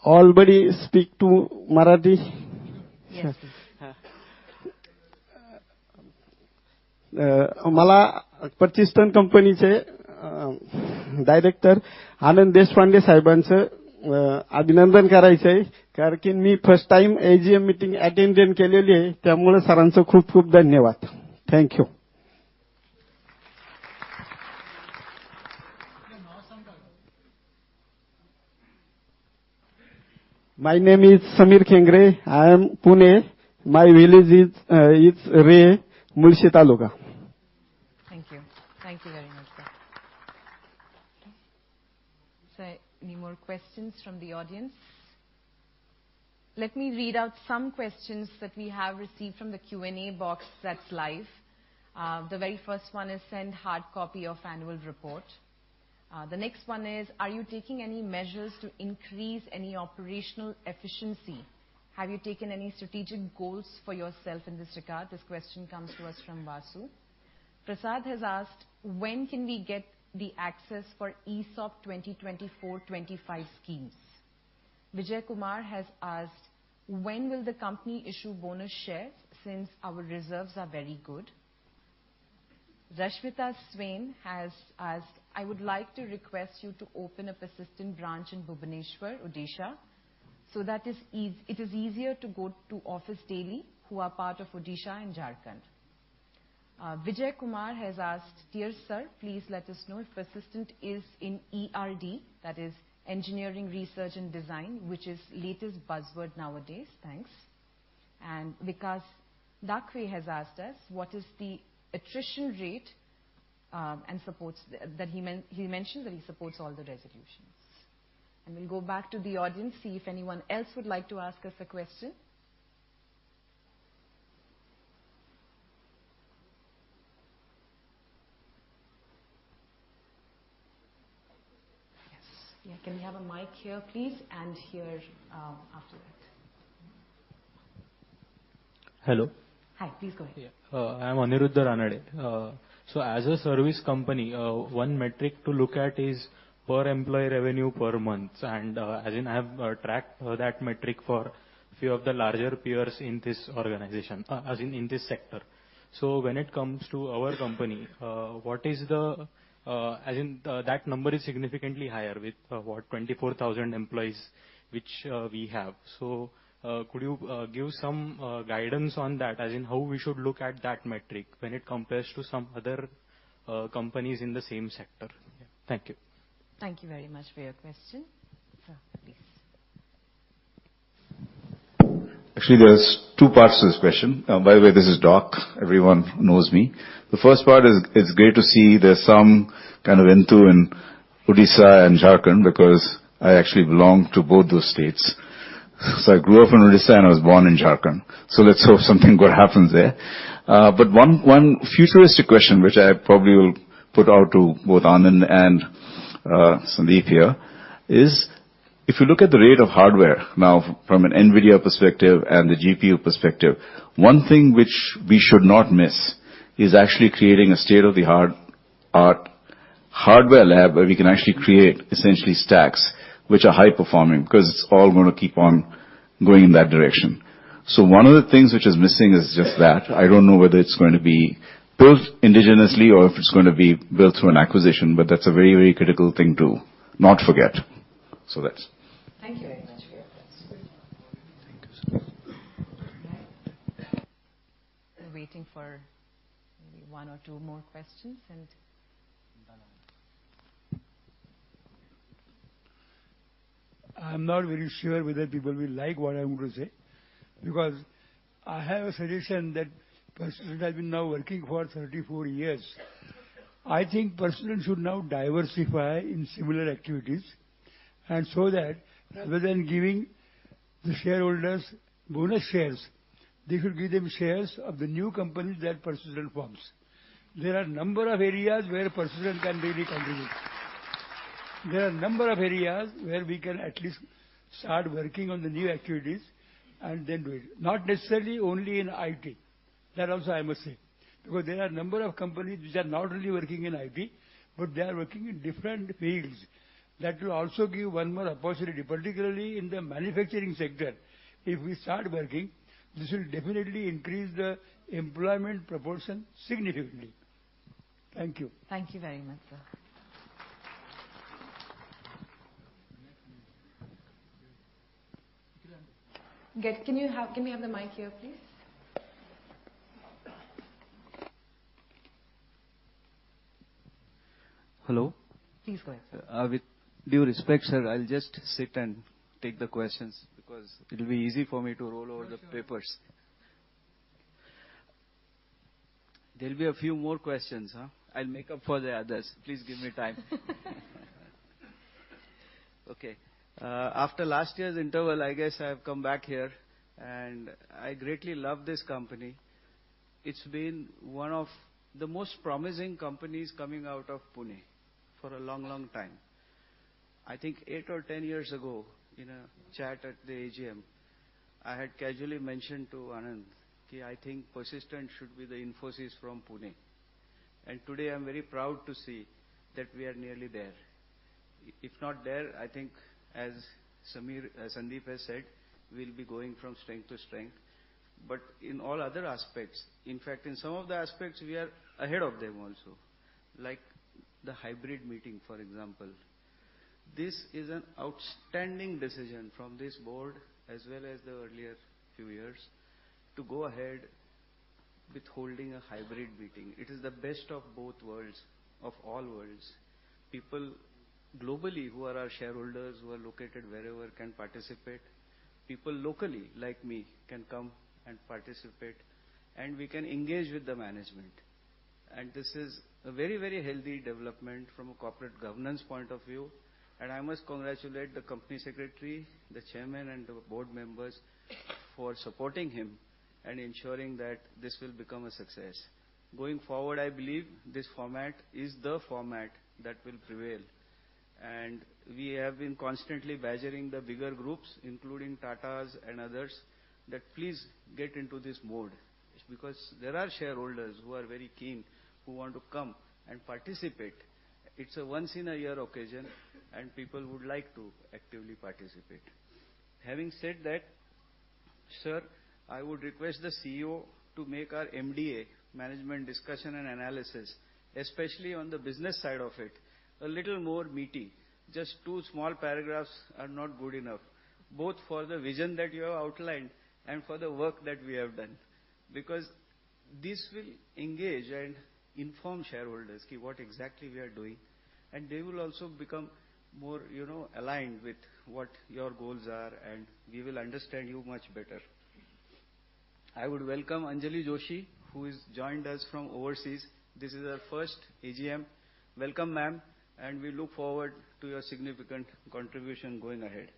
all buddy speak to Marathi? Yes. Thank you. My name is Samir Kengre. I am Pune. My village is Ray Mulshi Taluka. Thank you. Thank you very much, sir. So any more questions from the audience? Let me read out some questions that we have received from the Q&A box that's live. The very first one is, send hard copy of annual report. The next one is: Are you taking any measures to increase any operational efficiency? Have you taken any strategic goals for yourself in this regard? This question comes to us from Vasu. Prasad has asked: When can we get the access for ESOP 2024, 2025 schemes? Vijay Kumar has asked: When will the company issue bonus shares since our reserves are very good? Rashmita Swain has asked: I would like to request you to open a Persistent branch in Bhubaneswar, Odisha, so that it is easier to go to office daily, who are part of Odisha and Jharkhand. Vijay Kumar has asked: Dear Sir, please let us know if Persistent is in ER&D, that is engineering, research, and design, which is latest buzzword nowadays. Thanks. And Vikas Dakwe has asked us: What is the attrition rate, and supports. He mentions that he supports all the resolutions. And we'll go back to the audience, see if anyone else would like to ask us a question. Yes. Yeah, can we have a mic here, please, and here, after that. Hello. Hi. Please go ahead. Yeah. I'm Aniruddha Ranade. So as a service company, one metric to look at is per employee revenue per month, and, as in, I have tracked that metric for a few of the larger peers in this organization, as in, in this sector. So when it comes to our company, what is the, as in, that number is significantly higher with, what, 24,000 employees, which we have. So, could you give some guidance on that, as in how we should look at that metric when it compares to some other companies in the same sector? Yeah. Thank you. Thank you very much for your question. Sir, please. Actually, there's two parts to this question. By the way, this is Doc. Everyone knows me. The first part is, it's great to see there's some kind of enthused in- Odisha and Jharkhand, because I actually belong to both those states. So I grew up in Odisha, and I was born in Jharkhand, so let's hope something good happens there. But one futuristic question, which I probably will put out to both Anand and Sandeep here, is if you look at the rate of hardware now from an NVIDIA perspective and the GPU perspective, one thing which we should not miss is actually creating a state-of-the-art hardware lab, where we can actually create essentially stacks which are high performing, because it's all going to keep on going in that direction. So one of the things which is missing is just that. I don't know whether it's going to be built indigenously or if it's going to be built through an acquisition, but that's a very, very critical thing to not forget. So that's- Thank you very much for your comments. Thank you. We're waiting for maybe one or two more questions, and- I'm not very sure whether people will like what I'm going to say, because I have a solution that Persistent has been now working for 34 years. I think Persistent should now diversify in similar activities, and so that rather than giving the shareholders bonus shares, they should give them shares of the new company that Persistent forms. There are a number of areas where Persistent can be contributed. There are a number of areas where we can at least start working on the new activities and then do it. Not necessarily only in IT, that also I must say. Because there are a number of companies which are not only working in IT, but they are working in different fields. That will also give one more opportunity, particularly in the manufacturing sector. If we start working, this will definitely increase the employment proportion significantly. Thank you. Thank you very much, sir. Can we have the mic here, please? Hello. Please go ahead, sir. With due respect, sir, I'll just sit and take the questions because it'll be easy for me to roll over the papers. There'll be a few more questions. I'll make up for the others. Please give me time. Okay. After last year's interval, I guess I've come back here, and I greatly love this company. It's been one of the most promising companies coming out of Pune for a long, long time. I think eight or 10 years ago, in a chat at the AGM, I had casually mentioned to Anand, "I think Persistent should be the Infosys from Pune." And today, I'm very proud to see that we are nearly there. If not there, I think as Samir, as Sandip has said, we'll be going from strength to strength. But in all other aspects, in fact in some of the aspects, we are ahead of them also, like the hybrid meeting, for example. This is an outstanding decision from this board, as well as the earlier few years, to go ahead with holding a hybrid meeting. It is the best of both worlds, of all worlds. People globally, who are our shareholders, who are located wherever, can participate. People locally, like me, can come and participate, and we can engage with the management. And this is a very, very healthy development from a corporate governance point of view, and I must congratulate the company secretary, the chairman, and the board members for supporting him and ensuring that this will become a success. Going forward, I believe this format is the format that will prevail, and we have been constantly badgering the bigger groups, including Tatas and others, that please get into this mode, because there are shareholders who are very keen, who want to come and participate. It's a once-in-a-year occasion, and people would like to actively participate. Having said that, sir, I would request the CEO to make our MD&A, Management Discussion and Analysis, especially on the business side of it, a little more meaty. Just two small paragraphs are not good enough, both for the vision that you have outlined and for the work that we have done. Because this will engage and inform shareholders what exactly we are doing, and they will also become more, you know, aligned with what your goals are, and we will understand you much better. I would welcome Anjali Joshi, who has joined us from overseas. This is her first AGM. Welcome, ma'am, and we look forward to your significant contribution going ahead.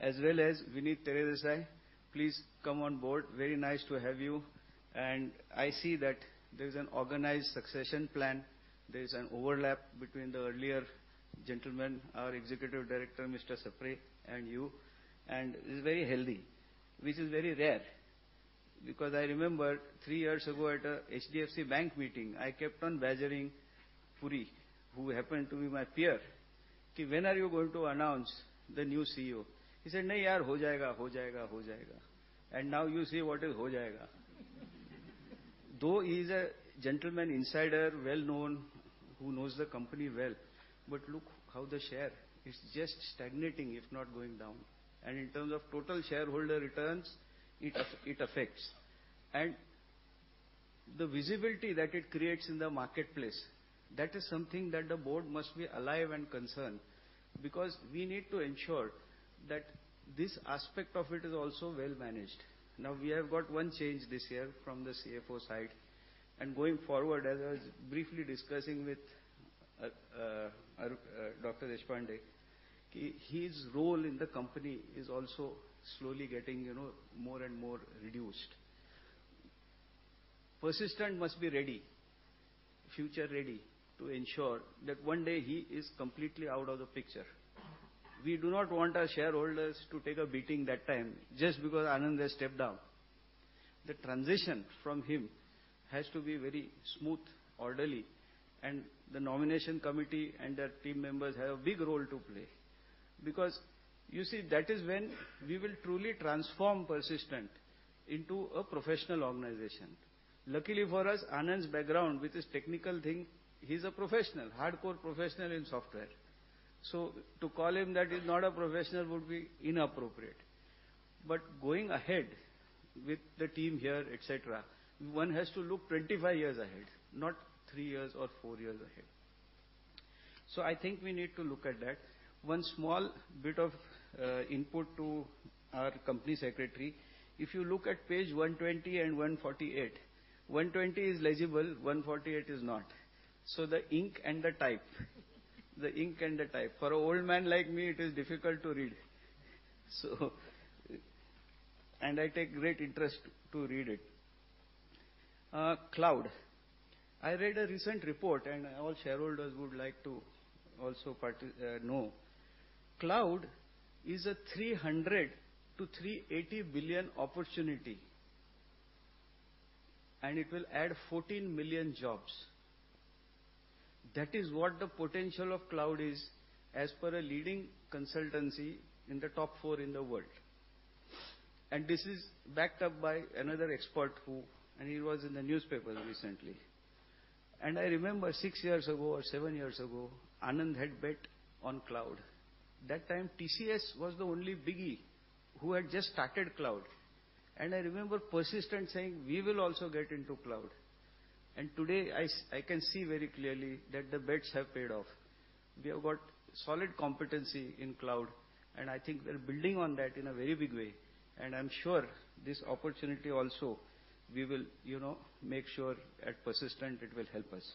As well as Vinit Teredesai, please come on board. Very nice to have you. I see that there is an organized succession plan. There is an overlap between the earlier gentleman, our Executive Director, Mr. Sapre, and you, and it's very healthy, which is very rare. Because I remember three years ago at a HDFC Bank meeting, I kept on badgering Puri, who happened to be my peer, "When are you going to announce the new CEO?" He said, "Nai yaar, ho jayega, ho jayega, ho jayega." Now you see what is ho jayega. Though he's a gentleman insider, well known, who knows the company well, but look how the share is just stagnating, if not going down. In terms of total shareholder returns, it, it affects. And the visibility that it creates in the marketplace, that is something that the board must be alive and concerned. Because we need to ensure that this aspect of it is also well managed. Now, we have got one change this year from the CFO side, and going forward, as I was briefly discussing with our Dr. Deshpande, his role in the company is also slowly getting, you know, more and more reduced. Persistent must be ready, future ready, to ensure that one day he is completely out of the picture. We do not want our shareholders to take a beating that time just because Anand has stepped down. The transition from him has to be very smooth, orderly, and the nomination committee and their team members have a big role to play. Because, you see, that is when we will truly transform Persistent into a professional organization. Luckily for us, Anand's background, with his technical thing, he's a professional, hardcore professional in software. So to call him that he's not a professional would be inappropriate. But going ahead with the team here, et cetera, one has to look 25 years ahead, not 3 years or 4 years ahead. So I think we need to look at that. One small bit of input to our company secretary. If you look at page 120 and 148, 120 is legible, 148 is not. So the ink and the type, the ink and the type. For an old man like me, it is difficult to read, so and I take great interest to read it. Cloud. I read a recent report, and all shareholders would like to also participate, know. Cloud is a $300 billion-$380 billion opportunity, and it will add 14 million jobs. That is what the potential of cloud is as per a leading consultancy in the top four in the world. This is backed up by another expert who was in the newspaper recently. I remember 6 years ago or 7 years ago, Anand had bet on cloud. That time, TCS was the only biggie who had just started cloud. I remember Persistent saying, "We will also get into cloud." Today, I can see very clearly that the bets have paid off. We have got solid competency in cloud, and I think we're building on that in a very big way. I'm sure this opportunity also, we will, you know, make sure at Persistent it will help us.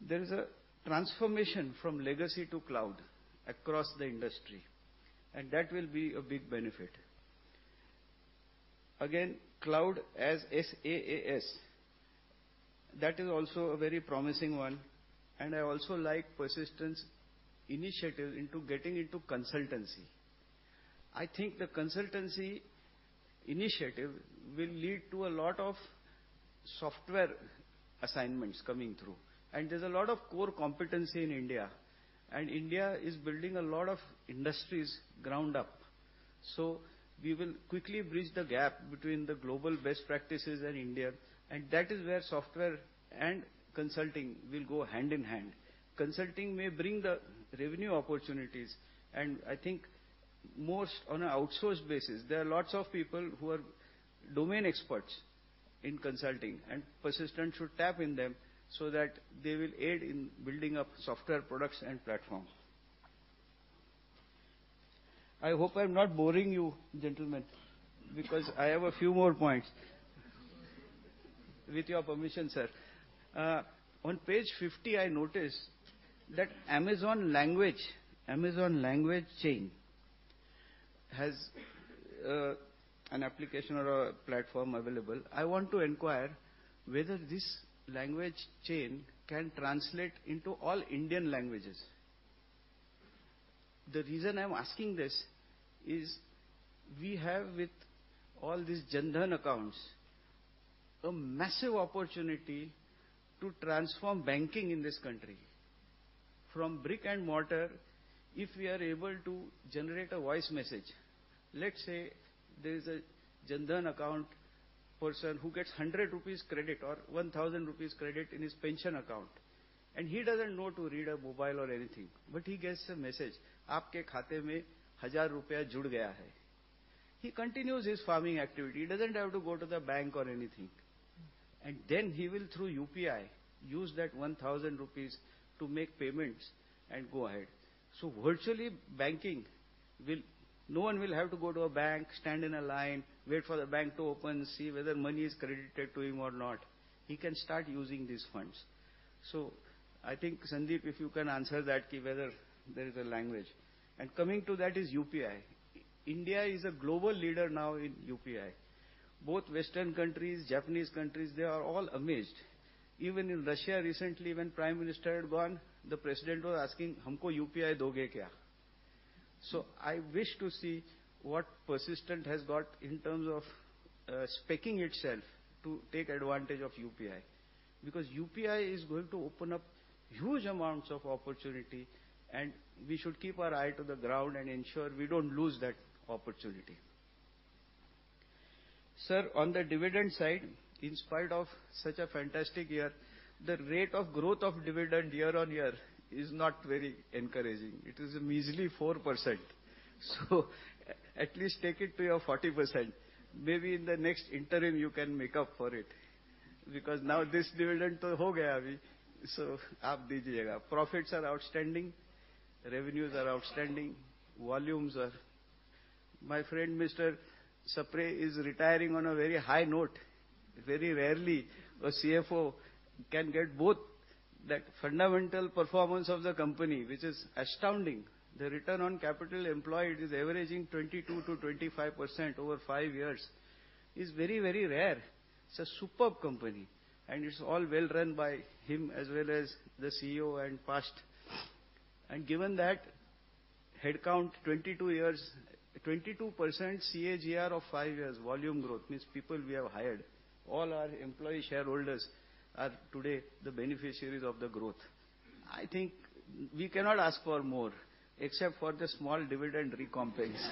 There is a transformation from legacy to cloud across the industry, and that will be a big benefit. Again, cloud as SaaS, that is also a very promising one, and I also like Persistent's initiative into getting into consultancy. I think the consultancy initiative will lead to a lot of software assignments coming through, and there's a lot of core competency in India, and India is building a lot of industries ground up. So we will quickly bridge the gap between the global best practices and India, and that is where software and consulting will go hand in hand. Consulting may bring the revenue opportunities, and I think most on an outsourced basis, there are lots of people who are domain experts in consulting, and Persistent should tap in them so that they will aid in building up software products and platforms. I hope I'm not boring you, gentlemen, because I have a few more points. With your permission, sir. On page 50, I noticed that Amazon LangChain has an application or a platform available. I want to inquire whether this language chain can translate into all Indian languages. The reason I'm asking this is we have, with all these Jan Dhan accounts, a massive opportunity to transform banking in this country. From brick and mortar, if we are able to generate a voice message, let's say there is a Jan Dhan account person who gets 100 rupees credit or 1,000 rupees credit in his pension account, and he doesn't know to read a mobile or anything, but he gets a message. He continues his farming activity. He doesn't have to go to the bank or anything, and then he will, through UPI, use that 1,000 rupees to make payments and go ahead. So virtually, banking will. No one will have to go to a bank, stand in a line, wait for the bank to open, see whether money is credited to him or not. He can start using these funds. So I think, Sandeep, if you can answer that, whether there is a language. And coming to that is UPI. India is a global leader now in UPI. Both Western countries, Japanese countries, they are all amazed. Even in Russia, recently, when Prime Minister had gone, the president was asking, "... UPI?" So I wish to see what Persistent has got in terms of positioning itself to take advantage of UPI, because UPI is going to open up huge amounts of opportunity, and we should keep our ear to the ground and ensure we don't lose that opportunity. Sir, on the dividend side, in spite of such a fantastic year, the rate of growth of dividend year-on-year is not very encouraging. It is a measly 4%, so at least take it to your 40%. Maybe in the next interim, you can make up for it. Because now this dividend to..., so profits are outstanding, revenues are outstanding, volumes are. My friend, Mr. Sapre is retiring on a very high note. Very rarely, a CFO can get both the fundamental performance of the company, which is astounding. The return on capital employed is averaging 22%-25% over 5 years, is very, very rare. It's a superb company, and it's all well run by him as well as the CEO and past. Given that, headcount 22 years - 22% CAGR of 5 years volume growth means people we have hired, all our employee shareholders are today the beneficiaries of the growth. I think we cannot ask for more, except for the small dividend recompense.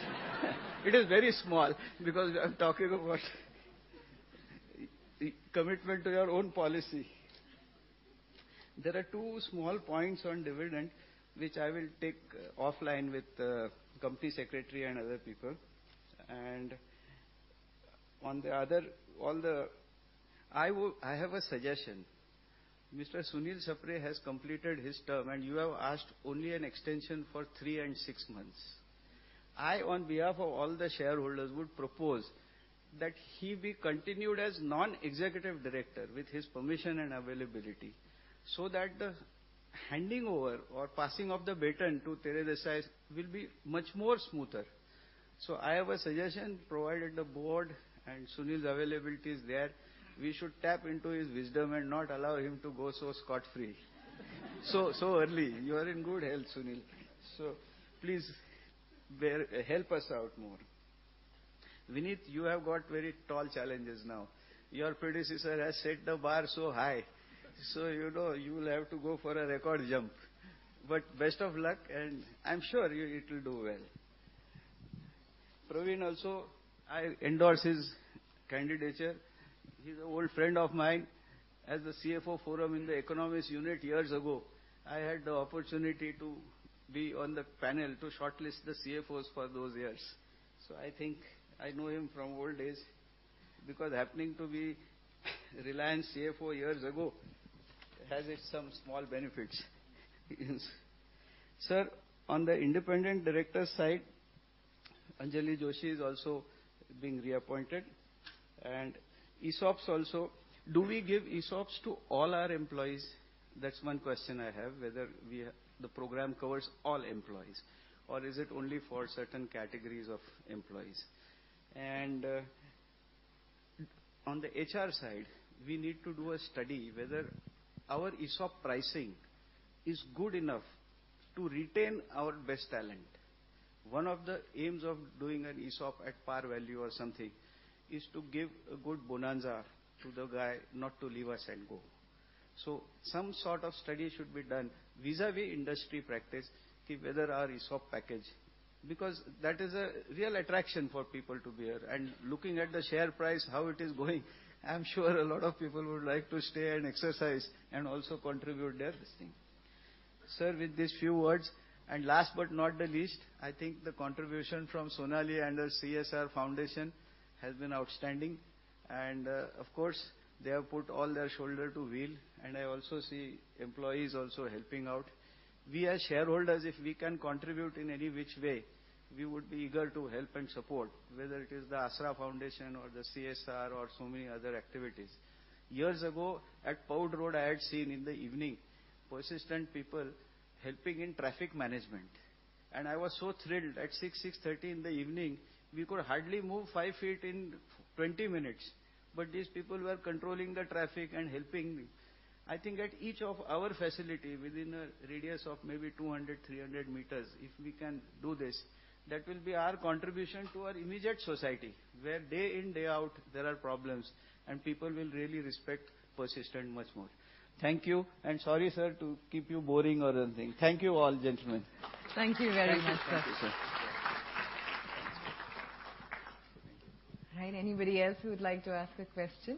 It is very small because I'm talking about commitment to your own policy. There are two small points on dividend, which I will take offline with the company secretary and other people. On the other, on the... I will - I have a suggestion. Mr. Sunil Sapre has completed his term, and you have asked only an extension for three and six months. I, on behalf of all the shareholders, would propose that he be continued as non-executive director with his permission and availability, so that the handing over or passing of the baton to Vinit Teredesai will be much more smoother. So I have a suggestion, provided the board and Sunil's availability is there, we should tap into his wisdom and not allow him to go so scot-free. So, so early. You are in good health, Sunil, so please bear, help us out more. Vinit, you have got very tall challenges now. Your predecessor has set the bar so high, so you know you will have to go for a record jump. But best of luck, and I'm sure you, it will do well. Praveen also, I endorse his candidature. He's an old friend of mine. As the CFO forum in the economist unit years ago, I had the opportunity to be on the panel to shortlist the CFOs for those years. So I think I know him from old days, because happening to be Reliance CFO years ago has its some small benefits. Sir, on the independent director side, Anjali Joshi is also being reappointed, and ESOPs also. Do we give ESOPs to all our employees? That's one question I have, whether we, the program covers all employees, or is it only for certain categories of employees? And, on the HR side, we need to do a study whether our ESOP pricing is good enough to retain our best talent. One of the aims of doing an ESOP at par value or something is to give a good bonanza to the guy not to leave us and go. So some sort of study should be done vis-a-vis industry practice, whether our ESOP package... Because that is a real attraction for people to be here. And looking at the share price, how it is going, I'm sure a lot of people would like to stay and exercise and also contribute their thing. Sir, with these few words, and last but not the least, I think the contribution from Sonali and her CSR foundation has been outstanding, and, of course, they have put all their shoulder to wheel, and I also see employees also helping out. We as shareholders, if we can contribute in any which way, we would be eager to help and support, whether it is the Asra Foundation or the CSR or so many other activities. Years ago, at Powai Road, I had seen in the evening, Persistent people helping in traffic management, and I was so thrilled. At 6:00, 6:30 P.M., we could hardly move five feet in 20 minutes, but these people were controlling the traffic and helping. I think at each of our facility within a radius of maybe 200-300 meters, if we can do this, that will be our contribution to our immediate society, where day in, day out, there are problems and people will really respect Persistent much more. Thank you, and sorry, sir, to keep you boring or anything. Thank you all, gentlemen. Thank you very much, sir. Thank you, sir. All right, anybody else who would like to ask a question?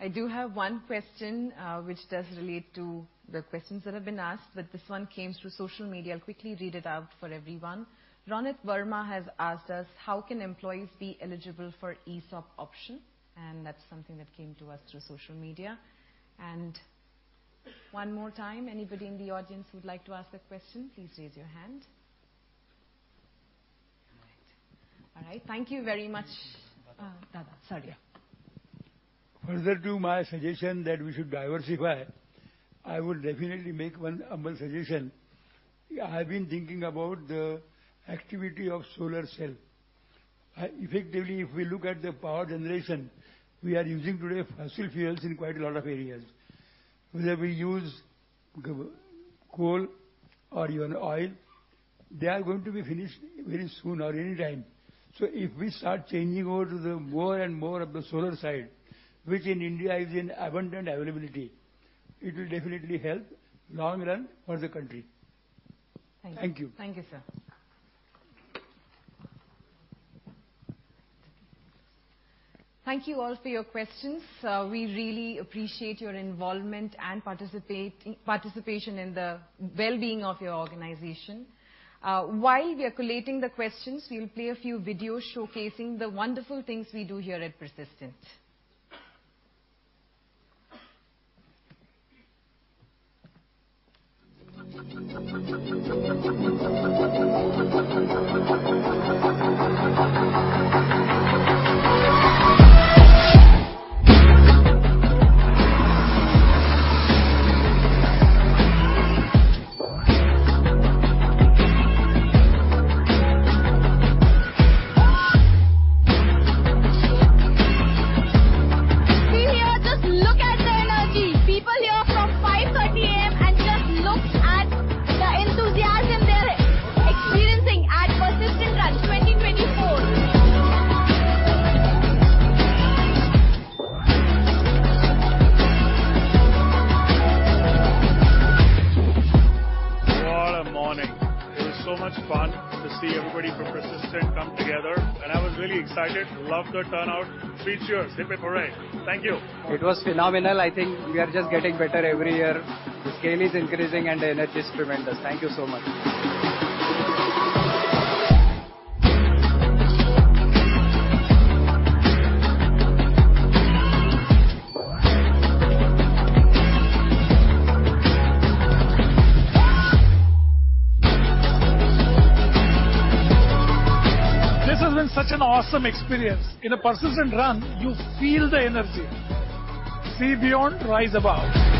I do have one question, which does relate to the questions that have been asked, but this one came through social media. I'll quickly read it out for everyone. Ronit Verma has asked us: How can employees be eligible for ESOP option? And that's something that came to us through social media. And one more time, anybody in the audience who'd like to ask a question, please raise your hand. All right. All right, thank you very much, Dada. Sorry. Further to my suggestion that we should diversify, I would definitely make one humble suggestion. I have been thinking about the activity of solar cell. Effectively, if we look at the power generation, we are using today fossil fuels in quite a lot of areas. Whether we use coal or even oil, they are going to be finished very soon or any time. So if we start changing over to the more and more of the solar side, which in India is in abundant availability, it will definitely help long run for the country. Thank you. Thank you, sir. Thank you all for your questions. We really appreciate your involvement and participation in the well-being of your organization. While we are collating the questions, we will play a few videos showcasing the wonderful things we do here at Persistent. ... See here, just look at the energy! People here from 5:30 A.M., and just look at the enthusiasm they're experiencing at Persistent Run 2024. What a morning! It is so much fun to see everybody from Persistent come together, and I was really excited. Love the turnout. Cheers. Hip hip hooray! Thank you. It was phenomenal. I think we are just getting better every year. The scale is increasing, and the energy is tremendous. Thank you so much. This has been such an awesome experience. In a Persistent run, you feel the energy. See beyond, rise above.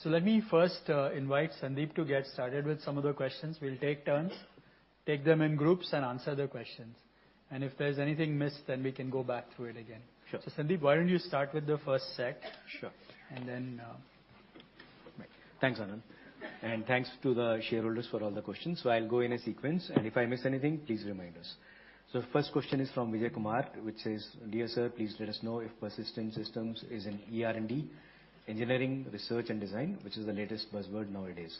Okay, thank you very much. So let me first invite Sandeep to get started with some of the questions. We'll take turns, take them in groups and answer the questions, and if there's anything missed, then we can go back through it again. Sure. So, Sandeep, why don't you start with the first set? Sure. And then... Thanks, Anand, and thanks to the shareholders for all the questions. So I'll go in a sequence, and if I miss anything, please remind us. So first question is from Vijay Kumar, which says: "Dear sir, please let us know if Persistent Systems is in ER&D, engineering, research, and design, which is the latest buzzword nowadays."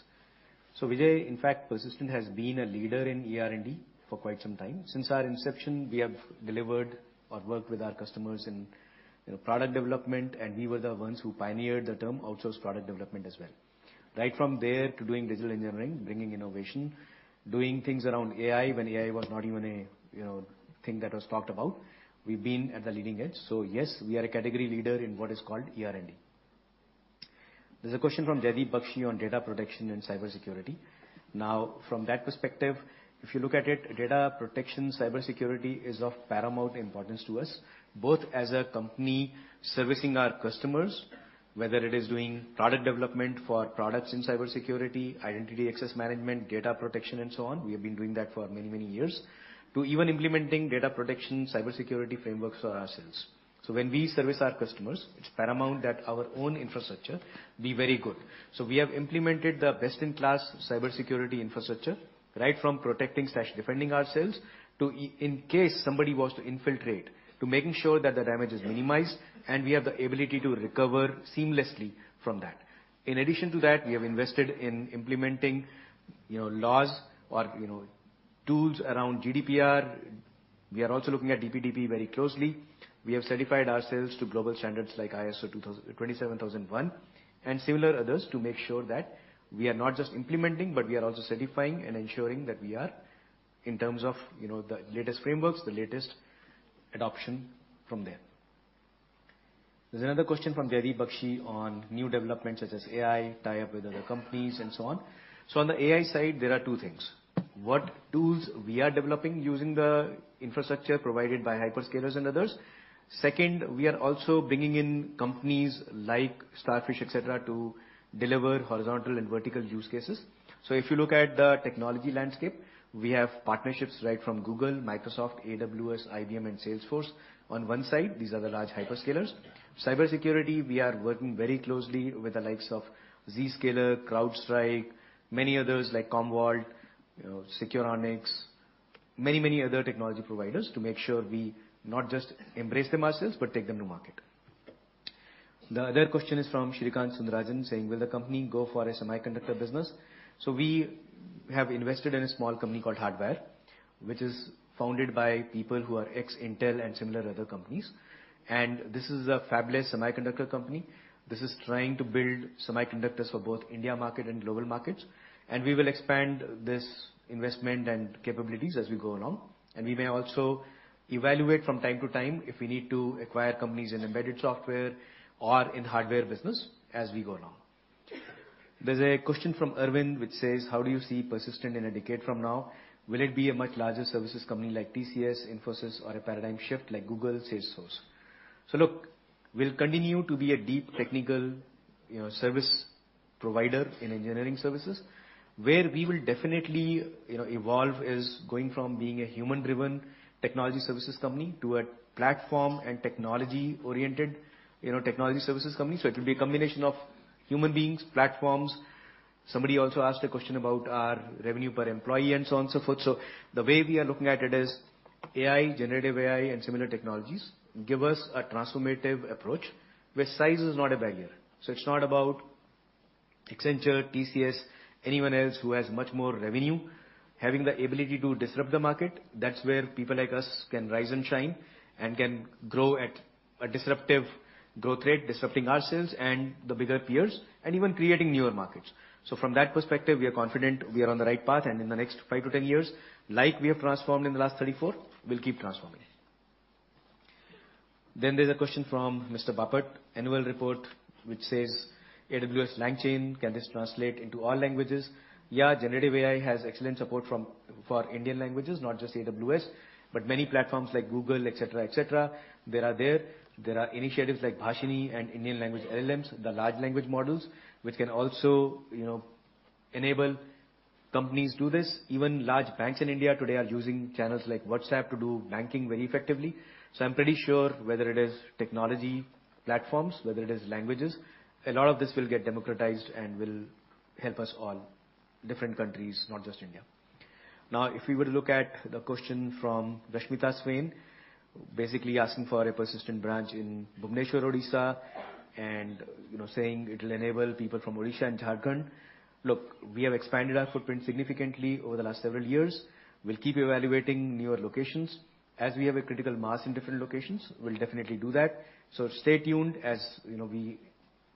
So Vijay, in fact, Persistent has been a leader in ER&D for quite some time. Since our inception, we have delivered or worked with our customers in, you know, product development, and we were the ones who pioneered the term outsource product development as well. Right from there, to doing digital engineering, bringing innovation, doing things around AI, when AI was not even a, you know, thing that was talked about. We've been at the leading edge. So yes, we are a category leader in what is called ER&D. There's a question from Devi Bakshi on data protection and cybersecurity. Now, from that perspective, if you look at it, data protection, cybersecurity is of paramount importance to us, both as a company servicing our customers, whether it is doing product development for products in cybersecurity, identity access management, data protection, and so on. We have been doing that for many, many years, to even implementing data protection, cybersecurity frameworks for ourselves. So when we service our customers, it's paramount that our own infrastructure be very good. So we have implemented the best-in-class cybersecurity infrastructure, right from protecting/defending ourselves, to in case somebody was to infiltrate, to making sure that the damage is minimized and we have the ability to recover seamlessly from that. In addition to that, we have invested in implementing, you know, laws or, you know, tools around GDPR. We are also looking at DPDP very closely. We have certified ourselves to global standards like ISO 27001, and similar others, to make sure that we are not just implementing, but we are also certifying and ensuring that we are, in terms of, you know, the latest frameworks, the latest adoption from there. There's another question from Jaideep Bakshi on new developments, such as AI, tie-up with other companies, and so on. So on the AI side, there are two things. What tools we are developing using the infrastructure provided by hyperscalers and others. Second, we are also bringing in companies like Starfish, et cetera, to deliver horizontal and vertical use cases. So if you look at the technology landscape, we have partnerships right from Google, Microsoft, AWS, IBM and Salesforce. On one side, these are the large hyperscalers. Cybersecurity, we are working very closely with the likes of Zscaler, CrowdStrike, many others, like Commvault, you know, Securonix, many, many other technology providers to make sure we not just embrace them ourselves, but take them to market. The other question is from Srikanth Sundararajan, saying: Will the company go for a semiconductor business? So we have invested in a small company called Hardwire, which is founded by people who are ex-Intel and similar other companies. And this is a fabulous semiconductor company. This is trying to build semiconductors for both India market and global markets, and we will expand this investment and capabilities as we go along. And we may also evaluate from time to time if we need to acquire companies in embedded software or in hardware business as we go along. There's a question from Erwin, which says: How do you see Persistent in a decade from now? Will it be a much larger services company like TCS, Infosys, or a paradigm shift like Google, Salesforce? So look, we'll continue to be a deep technical, you know, service provider in engineering services. Where we will definitely, you know, evolve is going from being a human-driven technology services company to a platform and technology-oriented, you know, technology services company. So it will be a combination of human beings, platforms. Somebody also asked a question about our revenue per employee and so on, so forth. So the way we are looking at it is AI, generative AI, and similar technologies give us a transformative approach where size is not a barrier. So it's not about Accenture, TCS, anyone else who has much more revenue. Having the ability to disrupt the market, that's where people like us can rise and shine, and can grow at a disruptive growth rate, disrupting ourselves and the bigger peers, and even creating newer markets. So from that perspective, we are confident we are on the right path, and in the next 5 to 10 years, like we have transformed in the last 34, we'll keep transforming. Then there's a question from Mr. Bapat, annual report, which says: AWS LangChain, can this translate into all languages? Yeah, generative AI has excellent support from for Indian languages, not just AWS, but many platforms like Google, et cetera, et cetera. They are there. There are initiatives like Bhashini and Indian Language LLMs, the large language models, which can also, you know, enable companies do this. Even large banks in India today are using channels like WhatsApp to do banking very effectively. So I'm pretty sure whether it is technology platforms, whether it is languages, a lot of this will get democratized and will help us all, different countries, not just India. Now, if we were to look at the question from Rashmita Swain, basically asking for a Persistent branch in Bhubaneswar, Odisha, and, you know, saying it'll enable people from Odisha and Jharkhand. Look, we have expanded our footprint significantly over the last several years. We'll keep evaluating newer locations. As we have a critical mass in different locations, we'll definitely do that. So stay tuned. As you know, we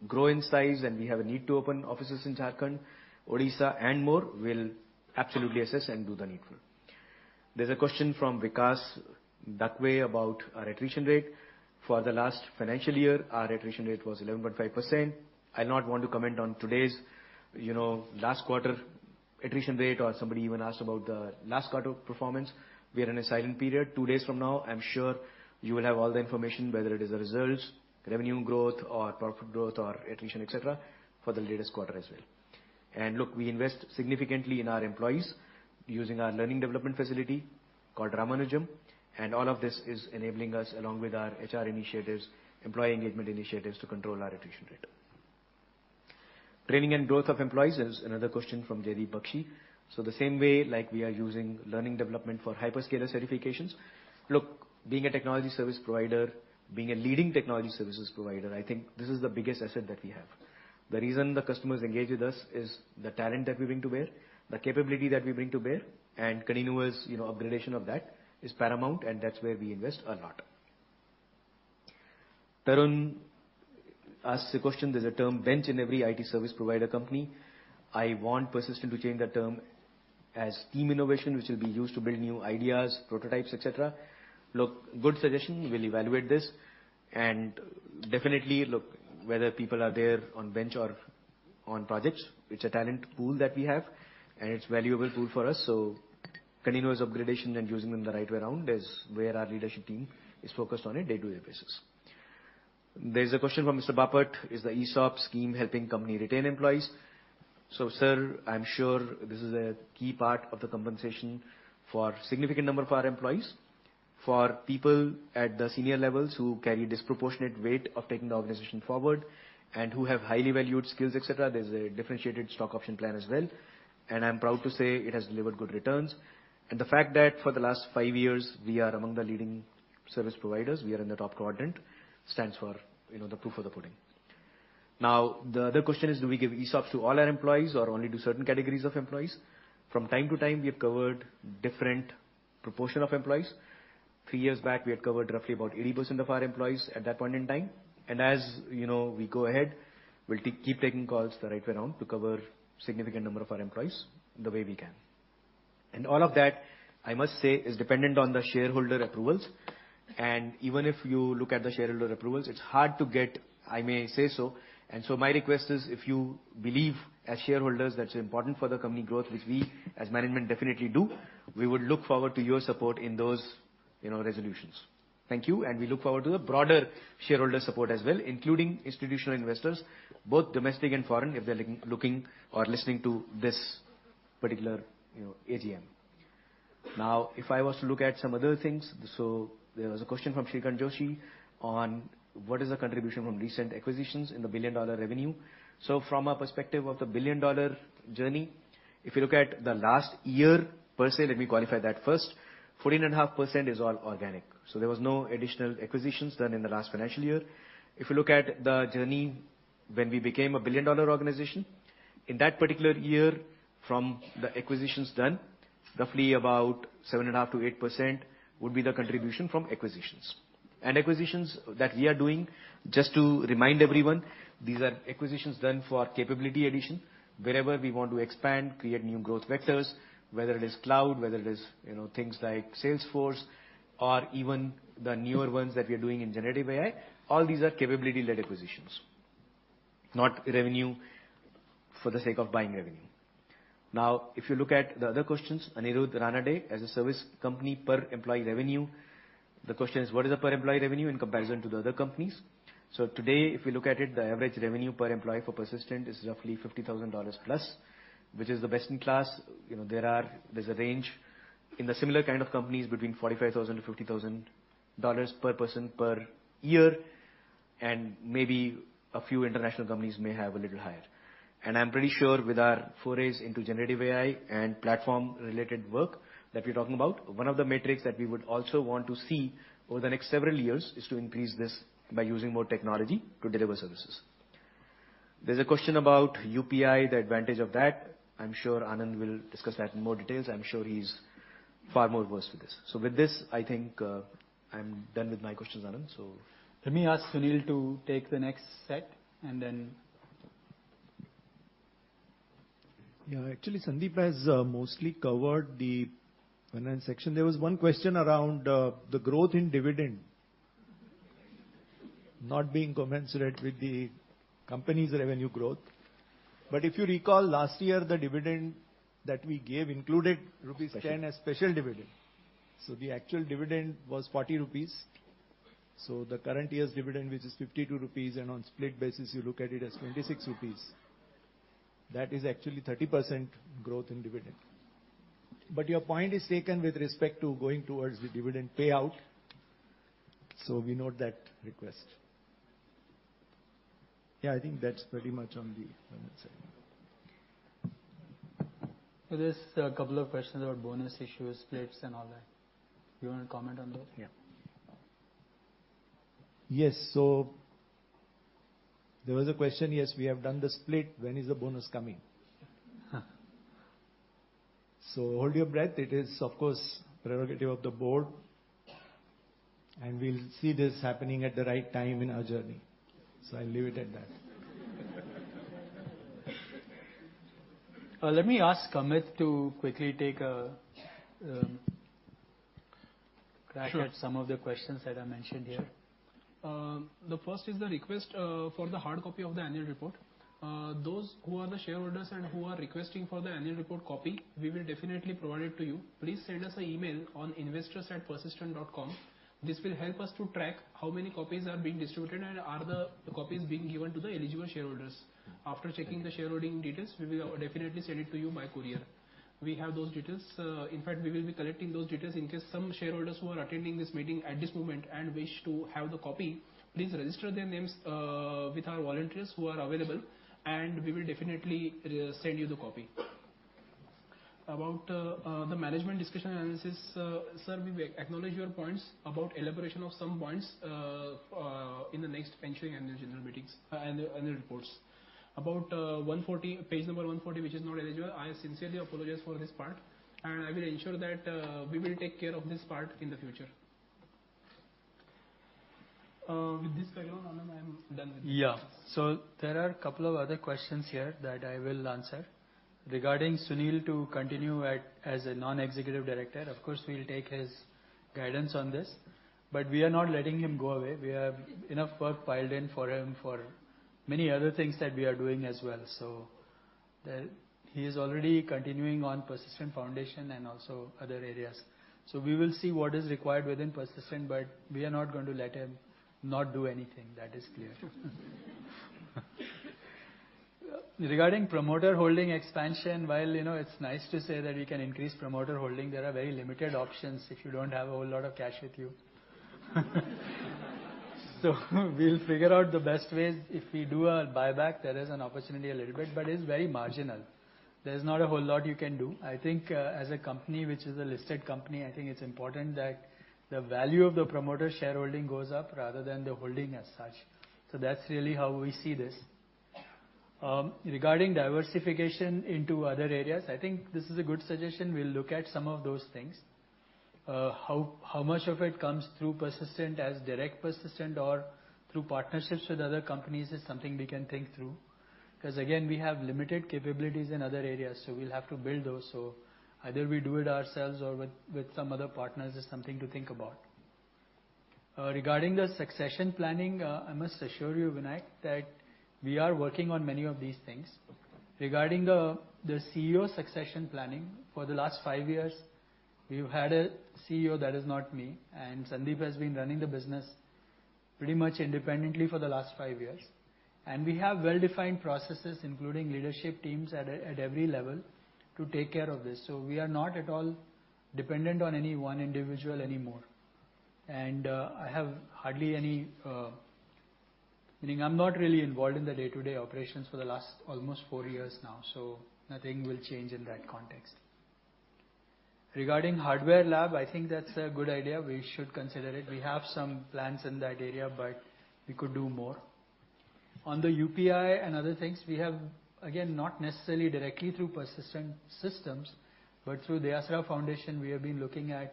grow in size, and we have a need to open offices in Jharkhand, Odisha, and more, we'll absolutely assess and do the needful. There's a question from Vikas Dakwe about our attrition rate. For the last financial year, our attrition rate was 11.5%. I'll not want to comment on today's, you know, last quarter attrition rate, or somebody even asked about the last quarter performance. We are in a silent period. Two days from now, I'm sure you will have all the information, whether it is the results, revenue growth or profit growth or attrition, et cetera, for the latest quarter as well. And look, we invest significantly in our employees using our learning development facility called Ramanujam, and all of this is enabling us, along with our HR initiatives, employee engagement initiatives, to control our attrition rate. Training and growth of employees is another question from Jaideep Bakshi. So the same way, like we are using learning development for hyperscaler certifications. Look, being a technology service provider, being a leading technology services provider, I think this is the biggest asset that we have. The reason the customers engage with us is the talent that we bring to bear, the capability that we bring to bear, and continuous, you know, upgradation of that is paramount, and that's where we invest a lot. Tarun asks a question: There's a term bench in every IT service provider company. I want Persistent to change the term as team innovation, which will be used to build new ideas, prototypes, et cetera. Look, good suggestion. We'll evaluate this. And definitely, look, whether people are there on bench or on projects, it's a talent pool that we have, and it's valuable pool for us, so continuous upgradation and using them the right way around is where our leadership team is focused on a day-to-day basis. There's a question from Mr. Bapat: Is the ESOP scheme helping company retain employees? So, sir, I'm sure this is a key part of the compensation for significant number of our employees. For people at the senior levels who carry disproportionate weight of taking the organization forward and who have highly valued skills, et cetera, there's a differentiated stock option plan as well, and I'm proud to say it has delivered good returns. The fact that for the last five years, we are among the leading service providers, we are in the top quadrant, stands for, you know, the proof of the pudding. Now, the other question is: Do we give ESOPs to all our employees or only to certain categories of employees? From time to time, we have covered different proportion of employees. Three years back, we had covered roughly about 80% of our employees at that point in time, and as you know, we go ahead, we'll keep taking calls the right way around to cover significant number of our employees the way we can. And all of that, I must say, is dependent on the shareholder approvals. And even if you look at the shareholder approvals, it's hard to get, I may say so. And so my request is, if you believe as shareholders, that's important for the company growth, which we as management definitely do, we would look forward to your support in those, you know, resolutions. Thank you, and we look forward to the broader shareholder support as well, including institutional investors, both domestic and foreign, if they're looking, looking or listening to this particular, you know, AGM. Now, if I was to look at some other things. So there was a question from Srikanth Joshi on what is the contribution from recent acquisitions in the billion-dollar revenue? So from a perspective of the billion-dollar journey, if you look at the last year per se, let me qualify that first. 14.5% is all organic, so there was no additional acquisitions done in the last financial year. If you look at the journey when we became a billion-dollar organization, in that particular year, from the acquisitions done, roughly about 7.5%-8% would be the contribution from acquisitions. And acquisitions that we are doing, just to remind everyone, these are acquisitions done for capability addition. Wherever we want to expand, create new growth vectors, whether it is cloud, whether it is, you know, things like Salesforce or even the newer ones that we are doing in generative AI, all these are capability-led acquisitions, not revenue for the sake of buying revenue. Now, if you look at the other questions, Aniruddha Ranade, as a service company per employee revenue, the question is: What is the per employee revenue in comparison to the other companies? So today, if we look at it, the average revenue per employee for Persistent is roughly $50,000 plus, which is the best in class. You know, there's a range in the similar kind of companies between $45,000-$50,000 per person per year, and maybe a few international companies may have a little higher. I'm pretty sure with our forays into generative AI and platform-related work that we're talking about, one of the metrics that we would also want to see over the next several years is to increase this by using more technology to deliver services. There's a question about UPI, the advantage of that. I'm sure Anand will discuss that in more details. I'm sure he's far more versed with this. So with this, I think, I'm done with my questions, Anand. So- Let me ask Sunil to take the next set, and then... Yeah. Actually, Sandeep has mostly covered the finance section. There was one question around the growth in dividend not being commensurate with the company's revenue growth. But if you recall, last year, the dividend that we gave included rupees 10 as special dividend. So the actual dividend was 40 rupees. So the current year's dividend, which is 52 rupees, and on split basis, you look at it as 26 rupees. That is actually 30% growth in dividend. But your point is taken with respect to going towards the dividend payout, so we note that request. Yeah, I think that's pretty much on the finance side. There is a couple of questions about bonus issues, splits, and all that. You want to comment on those? Yeah. Yes. So there was a question, "Yes, we have done the split. When is the bonus coming?" So hold your breath. It is, of course, prerogative of the board, and we'll see this happening at the right time in our journey. So I'll leave it at that. Let me ask Amit to quickly take a crack- Sure. at some of the questions that I mentioned here. Sure. The first is the request for the hard copy of the annual report. Those who are the shareholders and who are requesting for the annual report copy, we will definitely provide it to you. Please send us an email on investors@persistent.com. This will help us to track how many copies are being distributed and are the copies being given to the eligible shareholders. After checking the shareholding details, we will definitely send it to you by courier. We have those details. In fact, we will be collecting those details in case some shareholders who are attending this meeting at this moment and wish to have the copy, please register their names with our volunteers who are available, and we will definitely resend you the copy. About the management discussion analysis, sir, we acknowledge your points about elaboration of some points in the next ensuing annual general meetings, annual, annual reports. About 140, page number 140, which is not eligible. I sincerely apologize for this part, and I will ensure that we will take care of this part in the future. With this, carry on, Anand. I am done with this. Yeah. So there are a couple of other questions here that I will answer. Regarding Sunil to continue at, as a non-executive director, of course, we will take his guidance on this, but we are not letting him go away. We have enough work piled in for him for many other things that we are doing as well. So the- he is already continuing on Persistent Foundation and also other areas. So we will see what is required within Persistent, but we are not going to let him not do anything, that is clear. Regarding promoter holding expansion, while you know it's nice to say that we can increase promoter holding, there are very limited options if you don't have a whole lot of cash with you. So we'll figure out the best ways. If we do a buyback, there is an opportunity a little bit, but it's very marginal. There's not a whole lot you can do. I think, as a company, which is a listed company, I think it's important that the value of the promoter's shareholding goes up rather than the holding as such. So that's really how we see this. Regarding diversification into other areas, I think this is a good suggestion. We'll look at some of those things. How much of it comes through Persistent as direct Persistent or through partnerships with other companies is something we can think through.... 'cause again, we have limited capabilities in other areas, so we'll have to build those. So either we do it ourselves or with some other partners, is something to think about. Regarding the succession planning, I must assure you, Vinay, that we are working on many of these things. Regarding the CEO succession planning, for the last five years, we've had a CEO that is not me, and Sandeep has been running the business pretty much independently for the last five years. And we have well-defined processes, including leadership teams at every level, to take care of this. So we are not at all dependent on any one individual anymore. And, I have hardly any... Meaning, I'm not really involved in the day-to-day operations for the last almost four years now, so nothing will change in that context. Regarding hardware lab, I think that's a good idea. We should consider it. We have some plans in that area, but we could do more. On the UPI and other things, we have, again, not necessarily directly through Persistent Systems, but through the Persistent Foundation, we have been looking at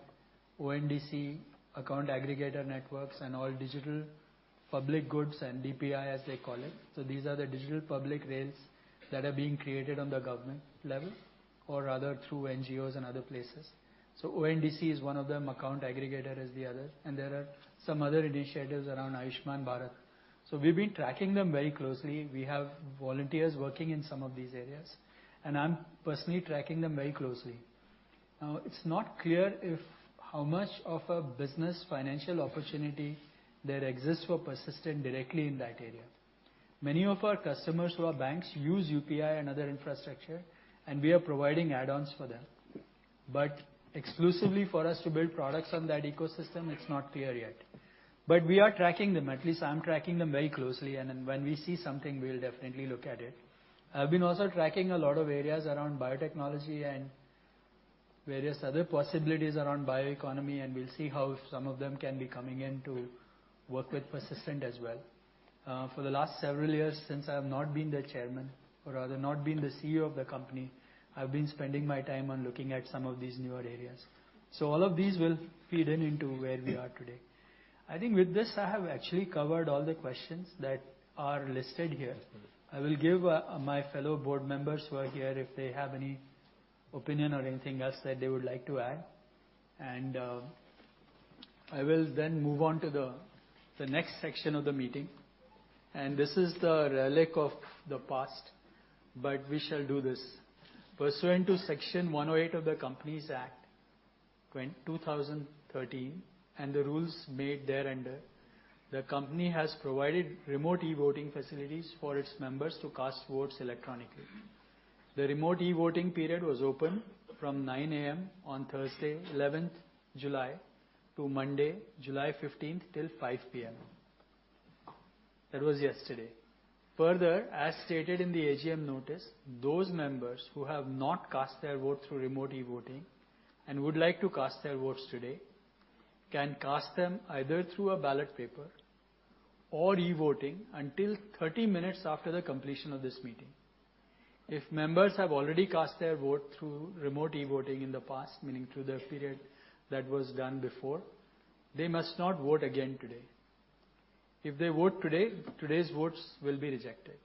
ONDC, account aggregator networks, and all digital public goods and DPI, as they call it. So these are the digital public rails that are being created on the government level, or rather, through NGOs and other places. So ONDC is one of them, account aggregator is the other, and there are some other initiatives around Ayushman Bharat. So we've been tracking them very closely. We have volunteers working in some of these areas, and I'm personally tracking them very closely. Now, it's not clear if how much of a business financial opportunity there exists for Persistent directly in that area. Many of our customers, who are banks, use UPI and other infrastructure, and we are providing add-ons for them. But exclusively for us to build products on that ecosystem, it's not clear yet. But we are tracking them. At least I'm tracking them very closely, and then when we see something, we'll definitely look at it. I've been also tracking a lot of areas around biotechnology and various other possibilities around bioeconomy, and we'll see how some of them can be coming in to work with Persistent as well. For the last several years, since I have not been the chairman, or rather not been the CEO of the company, I've been spending my time on looking at some of these newer areas. So all of these will feed in into where we are today. I think with this, I have actually covered all the questions that are listed here. I will give my fellow board members who are here, if they have any opinion or anything else that they would like to add. I will then move on to the next section of the meeting, and this is the relic of the past, but we shall do this. Pursuant to Section 108 of the Companies Act 2013, and the rules made thereunder, the company has provided remote e-voting facilities for its members to cast votes electronically. The remote e-voting period was open from 9 A.M. on Thursday, eleventh July, to Monday, July fifteenth, till 5 P.M. That was yesterday. Further, as stated in the AGM notice, those members who have not cast their vote through remote e-voting and would like to cast their votes today, can cast them either through a ballot paper or e-voting until thirty minutes after the completion of this meeting. If members have already cast their vote through remote e-voting in the past, meaning through the period that was done before, they must not vote again today. If they vote today, today's votes will be rejected.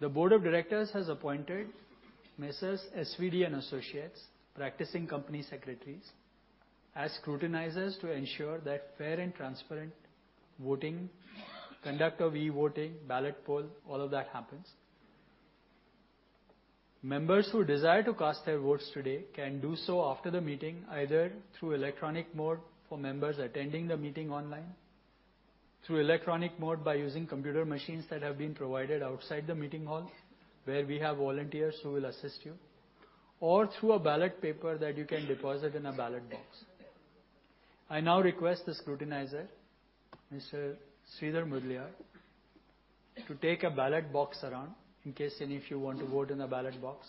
The board of directors has appointed Messrs. SVD & Associates, practicing company secretaries, as scrutinizers to ensure that fair and transparent voting, conduct of e-voting, ballot poll, all of that happens. Members who desire to cast their votes today can do so after the meeting, either through electronic mode for members attending the meeting online, through electronic mode by using computer machines that have been provided outside the meeting hall, where we have volunteers who will assist you, or through a ballot paper that you can deposit in a ballot box. I now request the scrutinizer, Mr. Sridhar Mudaliar, to take a ballot box around in case any of you want to vote in a ballot box.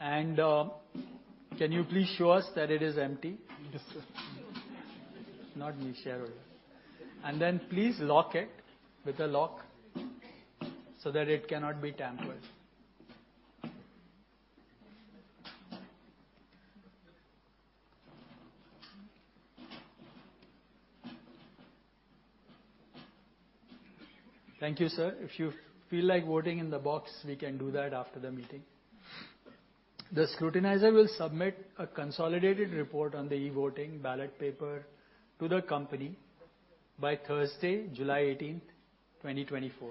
Can you please show us that it is empty? Not me, share it. And then please lock it with a lock so that it cannot be tampered. Thank you, sir. If you feel like voting in the box, we can do that after the meeting. The scrutinizer will submit a consolidated report on the e-voting ballot paper to the company by Thursday, July 18, 2024.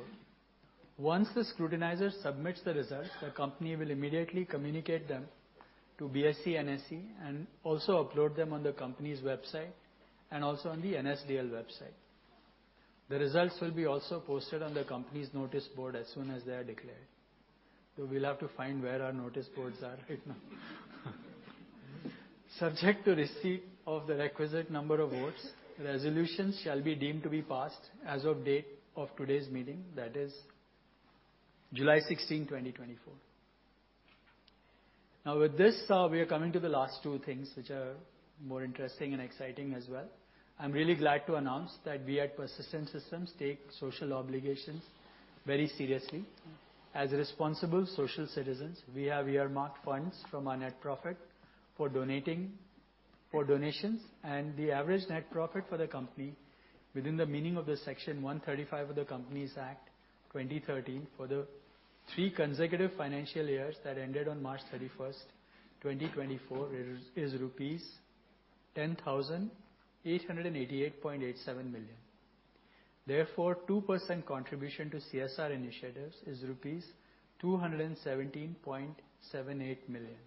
Once the scrutinizer submits the results, the company will immediately communicate them to BSE, NSE and also upload them on the company's website and also on the NSDL website. The results will be also posted on the company's notice board as soon as they are declared. So we'll have to find where our notice boards are right now. Subject to receipt of the requisite number of votes, resolutions shall be deemed to be passed as of date of today's meeting, that is July 16, 2024. Now, with this, we are coming to the last two things, which are more interesting and exciting as well. I'm really glad to announce that we at Persistent Systems take social obligations very seriously. As responsible social citizens, we have earmarked funds from our net profit for donations and the average net profit for the company within the meaning of the Section 135 of the Companies Act, 2013, for the three consecutive financial years that ended on March 31, 2024, is rupees 10,888.87 million. Therefore, 2% contribution to CSR initiatives is rupees 217.78 million.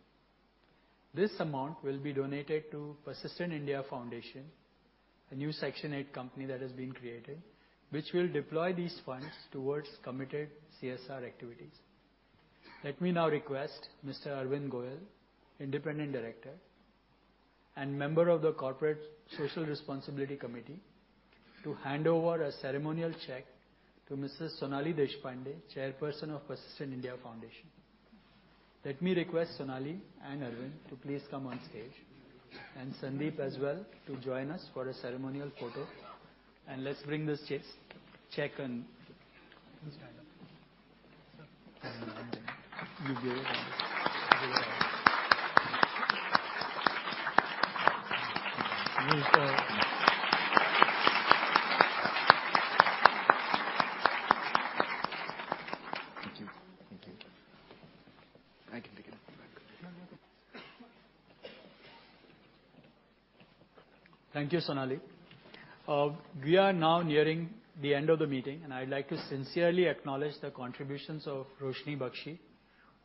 This amount will be donated to Persistent India Foundation, a new Section 8 company that has been created, which will deploy these funds towards committed CSR activities. Let me now request Mr. Arvind Goel, Independent Director and member of the Corporate Social Responsibility Committee, to hand over a ceremonial check to Mrs. Sonali Deshpande, Chairperson of Persistent India Foundation. Let me request Sonali and Arvind to please come on stage, and Sandeep as well, to join us for a ceremonial photo. And let's bring this check and- Please stand up. You give it. Thank you. Thank you. I can take it. Thank you, Sonali. We are now nearing the end of the meeting, and I'd like to sincerely acknowledge the contributions of Roshini Bakshi,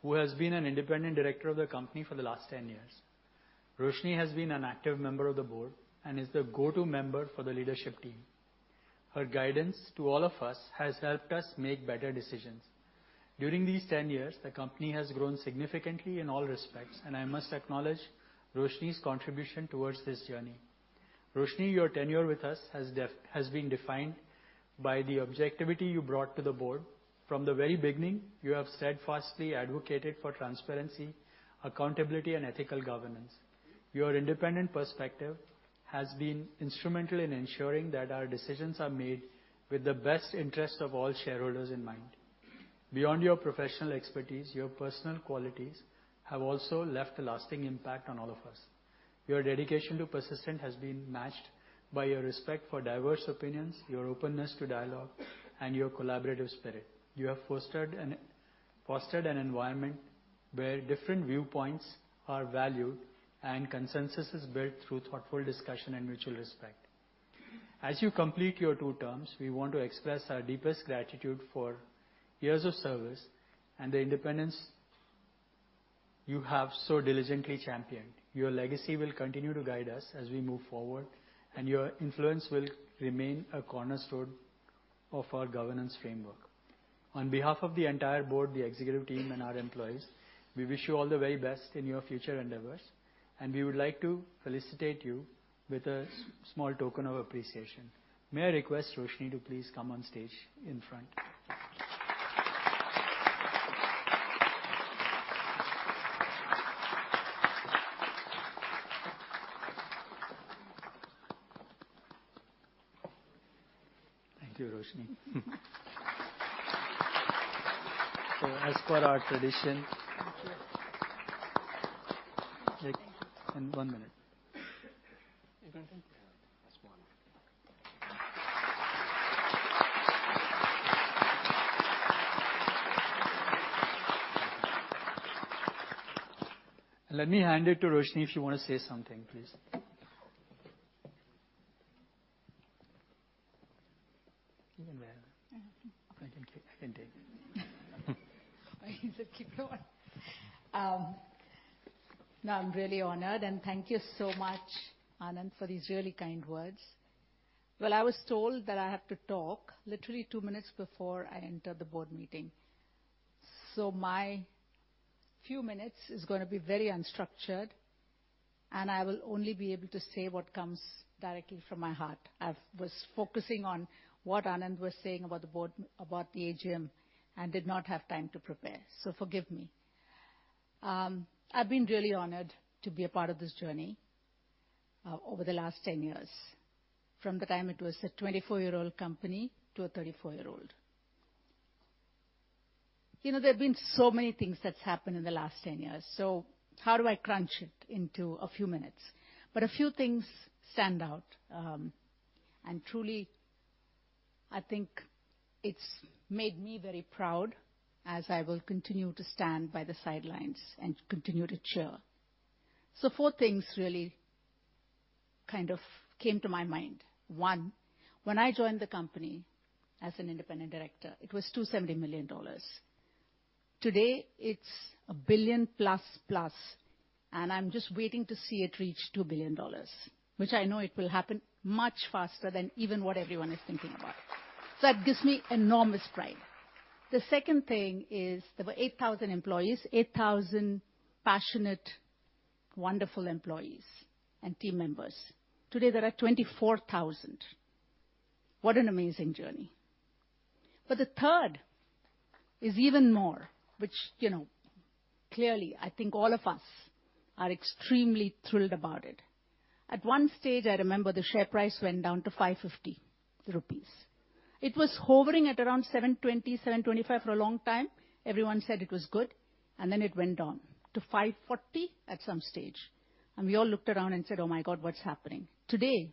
who has been an independent director of the company for the last 10 years. Roshini has been an active member of the board and is the go-to member for the leadership team. Her guidance to all of us has helped us make better decisions. During these 10 years, the company has grown significantly in all respects, and I must acknowledge Roshini's contribution towards this journey. Roshini, your tenure with us has been defined by the objectivity you brought to the board. From the very beginning, you have steadfastly advocated for transparency, accountability, and ethical governance. Your independent perspective has been instrumental in ensuring that our decisions are made with the best interest of all shareholders in mind. Beyond your professional expertise, your personal qualities have also left a lasting impact on all of us. Your dedication to Persistent has been matched by your respect for diverse opinions, your openness to dialogue, and your collaborative spirit. You have fostered an environment where different viewpoints are valued and consensus is built through thoughtful discussion and mutual respect. As you complete your two terms, we want to express our deepest gratitude for years of service and the independence you have so diligently championed. Your legacy will continue to guide us as we move forward, and your influence will remain a cornerstone of our governance framework. On behalf of the entire board, the executive team, and our employees, we wish you all the very best in your future endeavors, and we would like to felicitate you with a small token of appreciation. May I request Roshini to please come on stage in front? Thank you, Roshini. So as per our tradition- Thank you. One minute. That's one. Let me hand it to Roshini, if you want to say something, please. Uh. I can take it. You said keep going. Now I'm really honored, and thank you so much, Anand, for these really kind words. Well, I was told that I have to talk literally 2 minutes before I entered the board meeting. So my few minutes is gonna be very unstructured, and I will only be able to say what comes directly from my heart. I was focusing on what Anand was saying about the board, about the AGM, and did not have time to prepare, so forgive me. I've been really honored to be a part of this journey, over the last 10 years, from the time it was a 24-year-old company to a 34-year-old. You know, there have been so many things that's happened in the last 10 years. So how do I crunch it into a few minutes? But a few things stand out, and truly, I think it's made me very proud as I will continue to stand by the sidelines and continue to cheer. So four things really kind of came to my mind. One, when I joined the company as an independent director, it was $270 million. Today, it's $1 billion plus, plus, and I'm just waiting to see it reach $2 billion, which I know it will happen much faster than even what everyone is thinking about. So that gives me enormous pride. The second thing is there were 8,000 employees, 8,000 passionate, wonderful employees and team members. Today, there are 24,000. What an amazing journey! But the third is even more, which, you know, clearly, I think all of us are extremely thrilled about it. At one stage, I remember the share price went down to 550 rupees.... It was hovering at around 720, 725 for a long time. Everyone said it was good, and then it went down to 540 at some stage, and we all looked around and said, "Oh, my God, what's happening?" Today,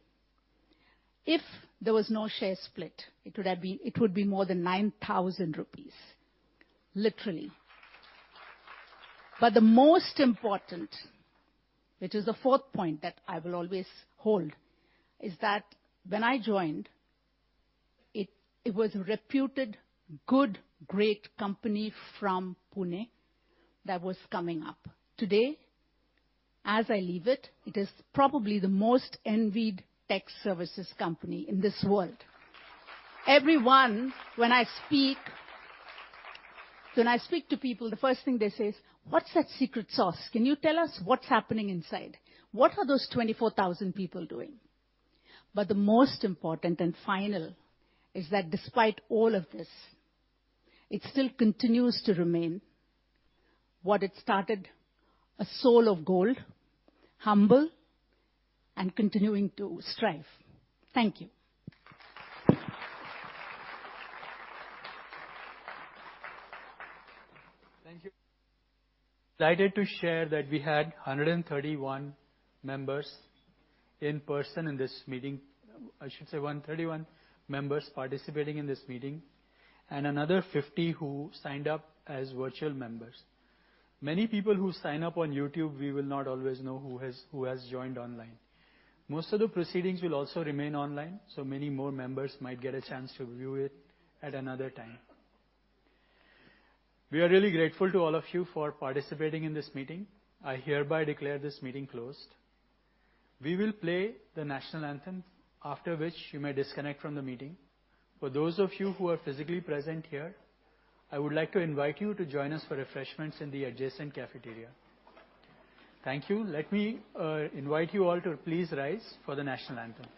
if there was no share split, it would have been, it would be more than 9,000 rupees, literally. But the most important, which is the fourth point that I will always hold, is that when I joined, it, it was reputed good, great company from Pune that was coming up. Today, as I leave it, it is probably the most envied tech services company in this world. Everyone, when I speak, when I speak to people, the first thing they say is: What's that secret sauce? Can you tell us what's happening inside? What are those 24,000 people doing? But the most important and final is that despite all of this, it still continues to remain what it started, a soul of gold, humble and continuing to strive. Thank you. Thank you. Delighted to share that we had 131 members in person in this meeting. I should say 131 members participating in this meeting, and another 50 who signed up as virtual members. Many people who sign up on YouTube, we will not always know who has joined online. Most of the proceedings will also remain online, so many more members might get a chance to view it at another time. We are really grateful to all of you for participating in this meeting. I hereby declare this meeting closed. We will play the national anthem, after which you may disconnect from the meeting. For those of you who are physically present here, I would like to invite you to join us for refreshments in the adjacent cafeteria. Thank you. Let me invite you all to please rise for the national anthem.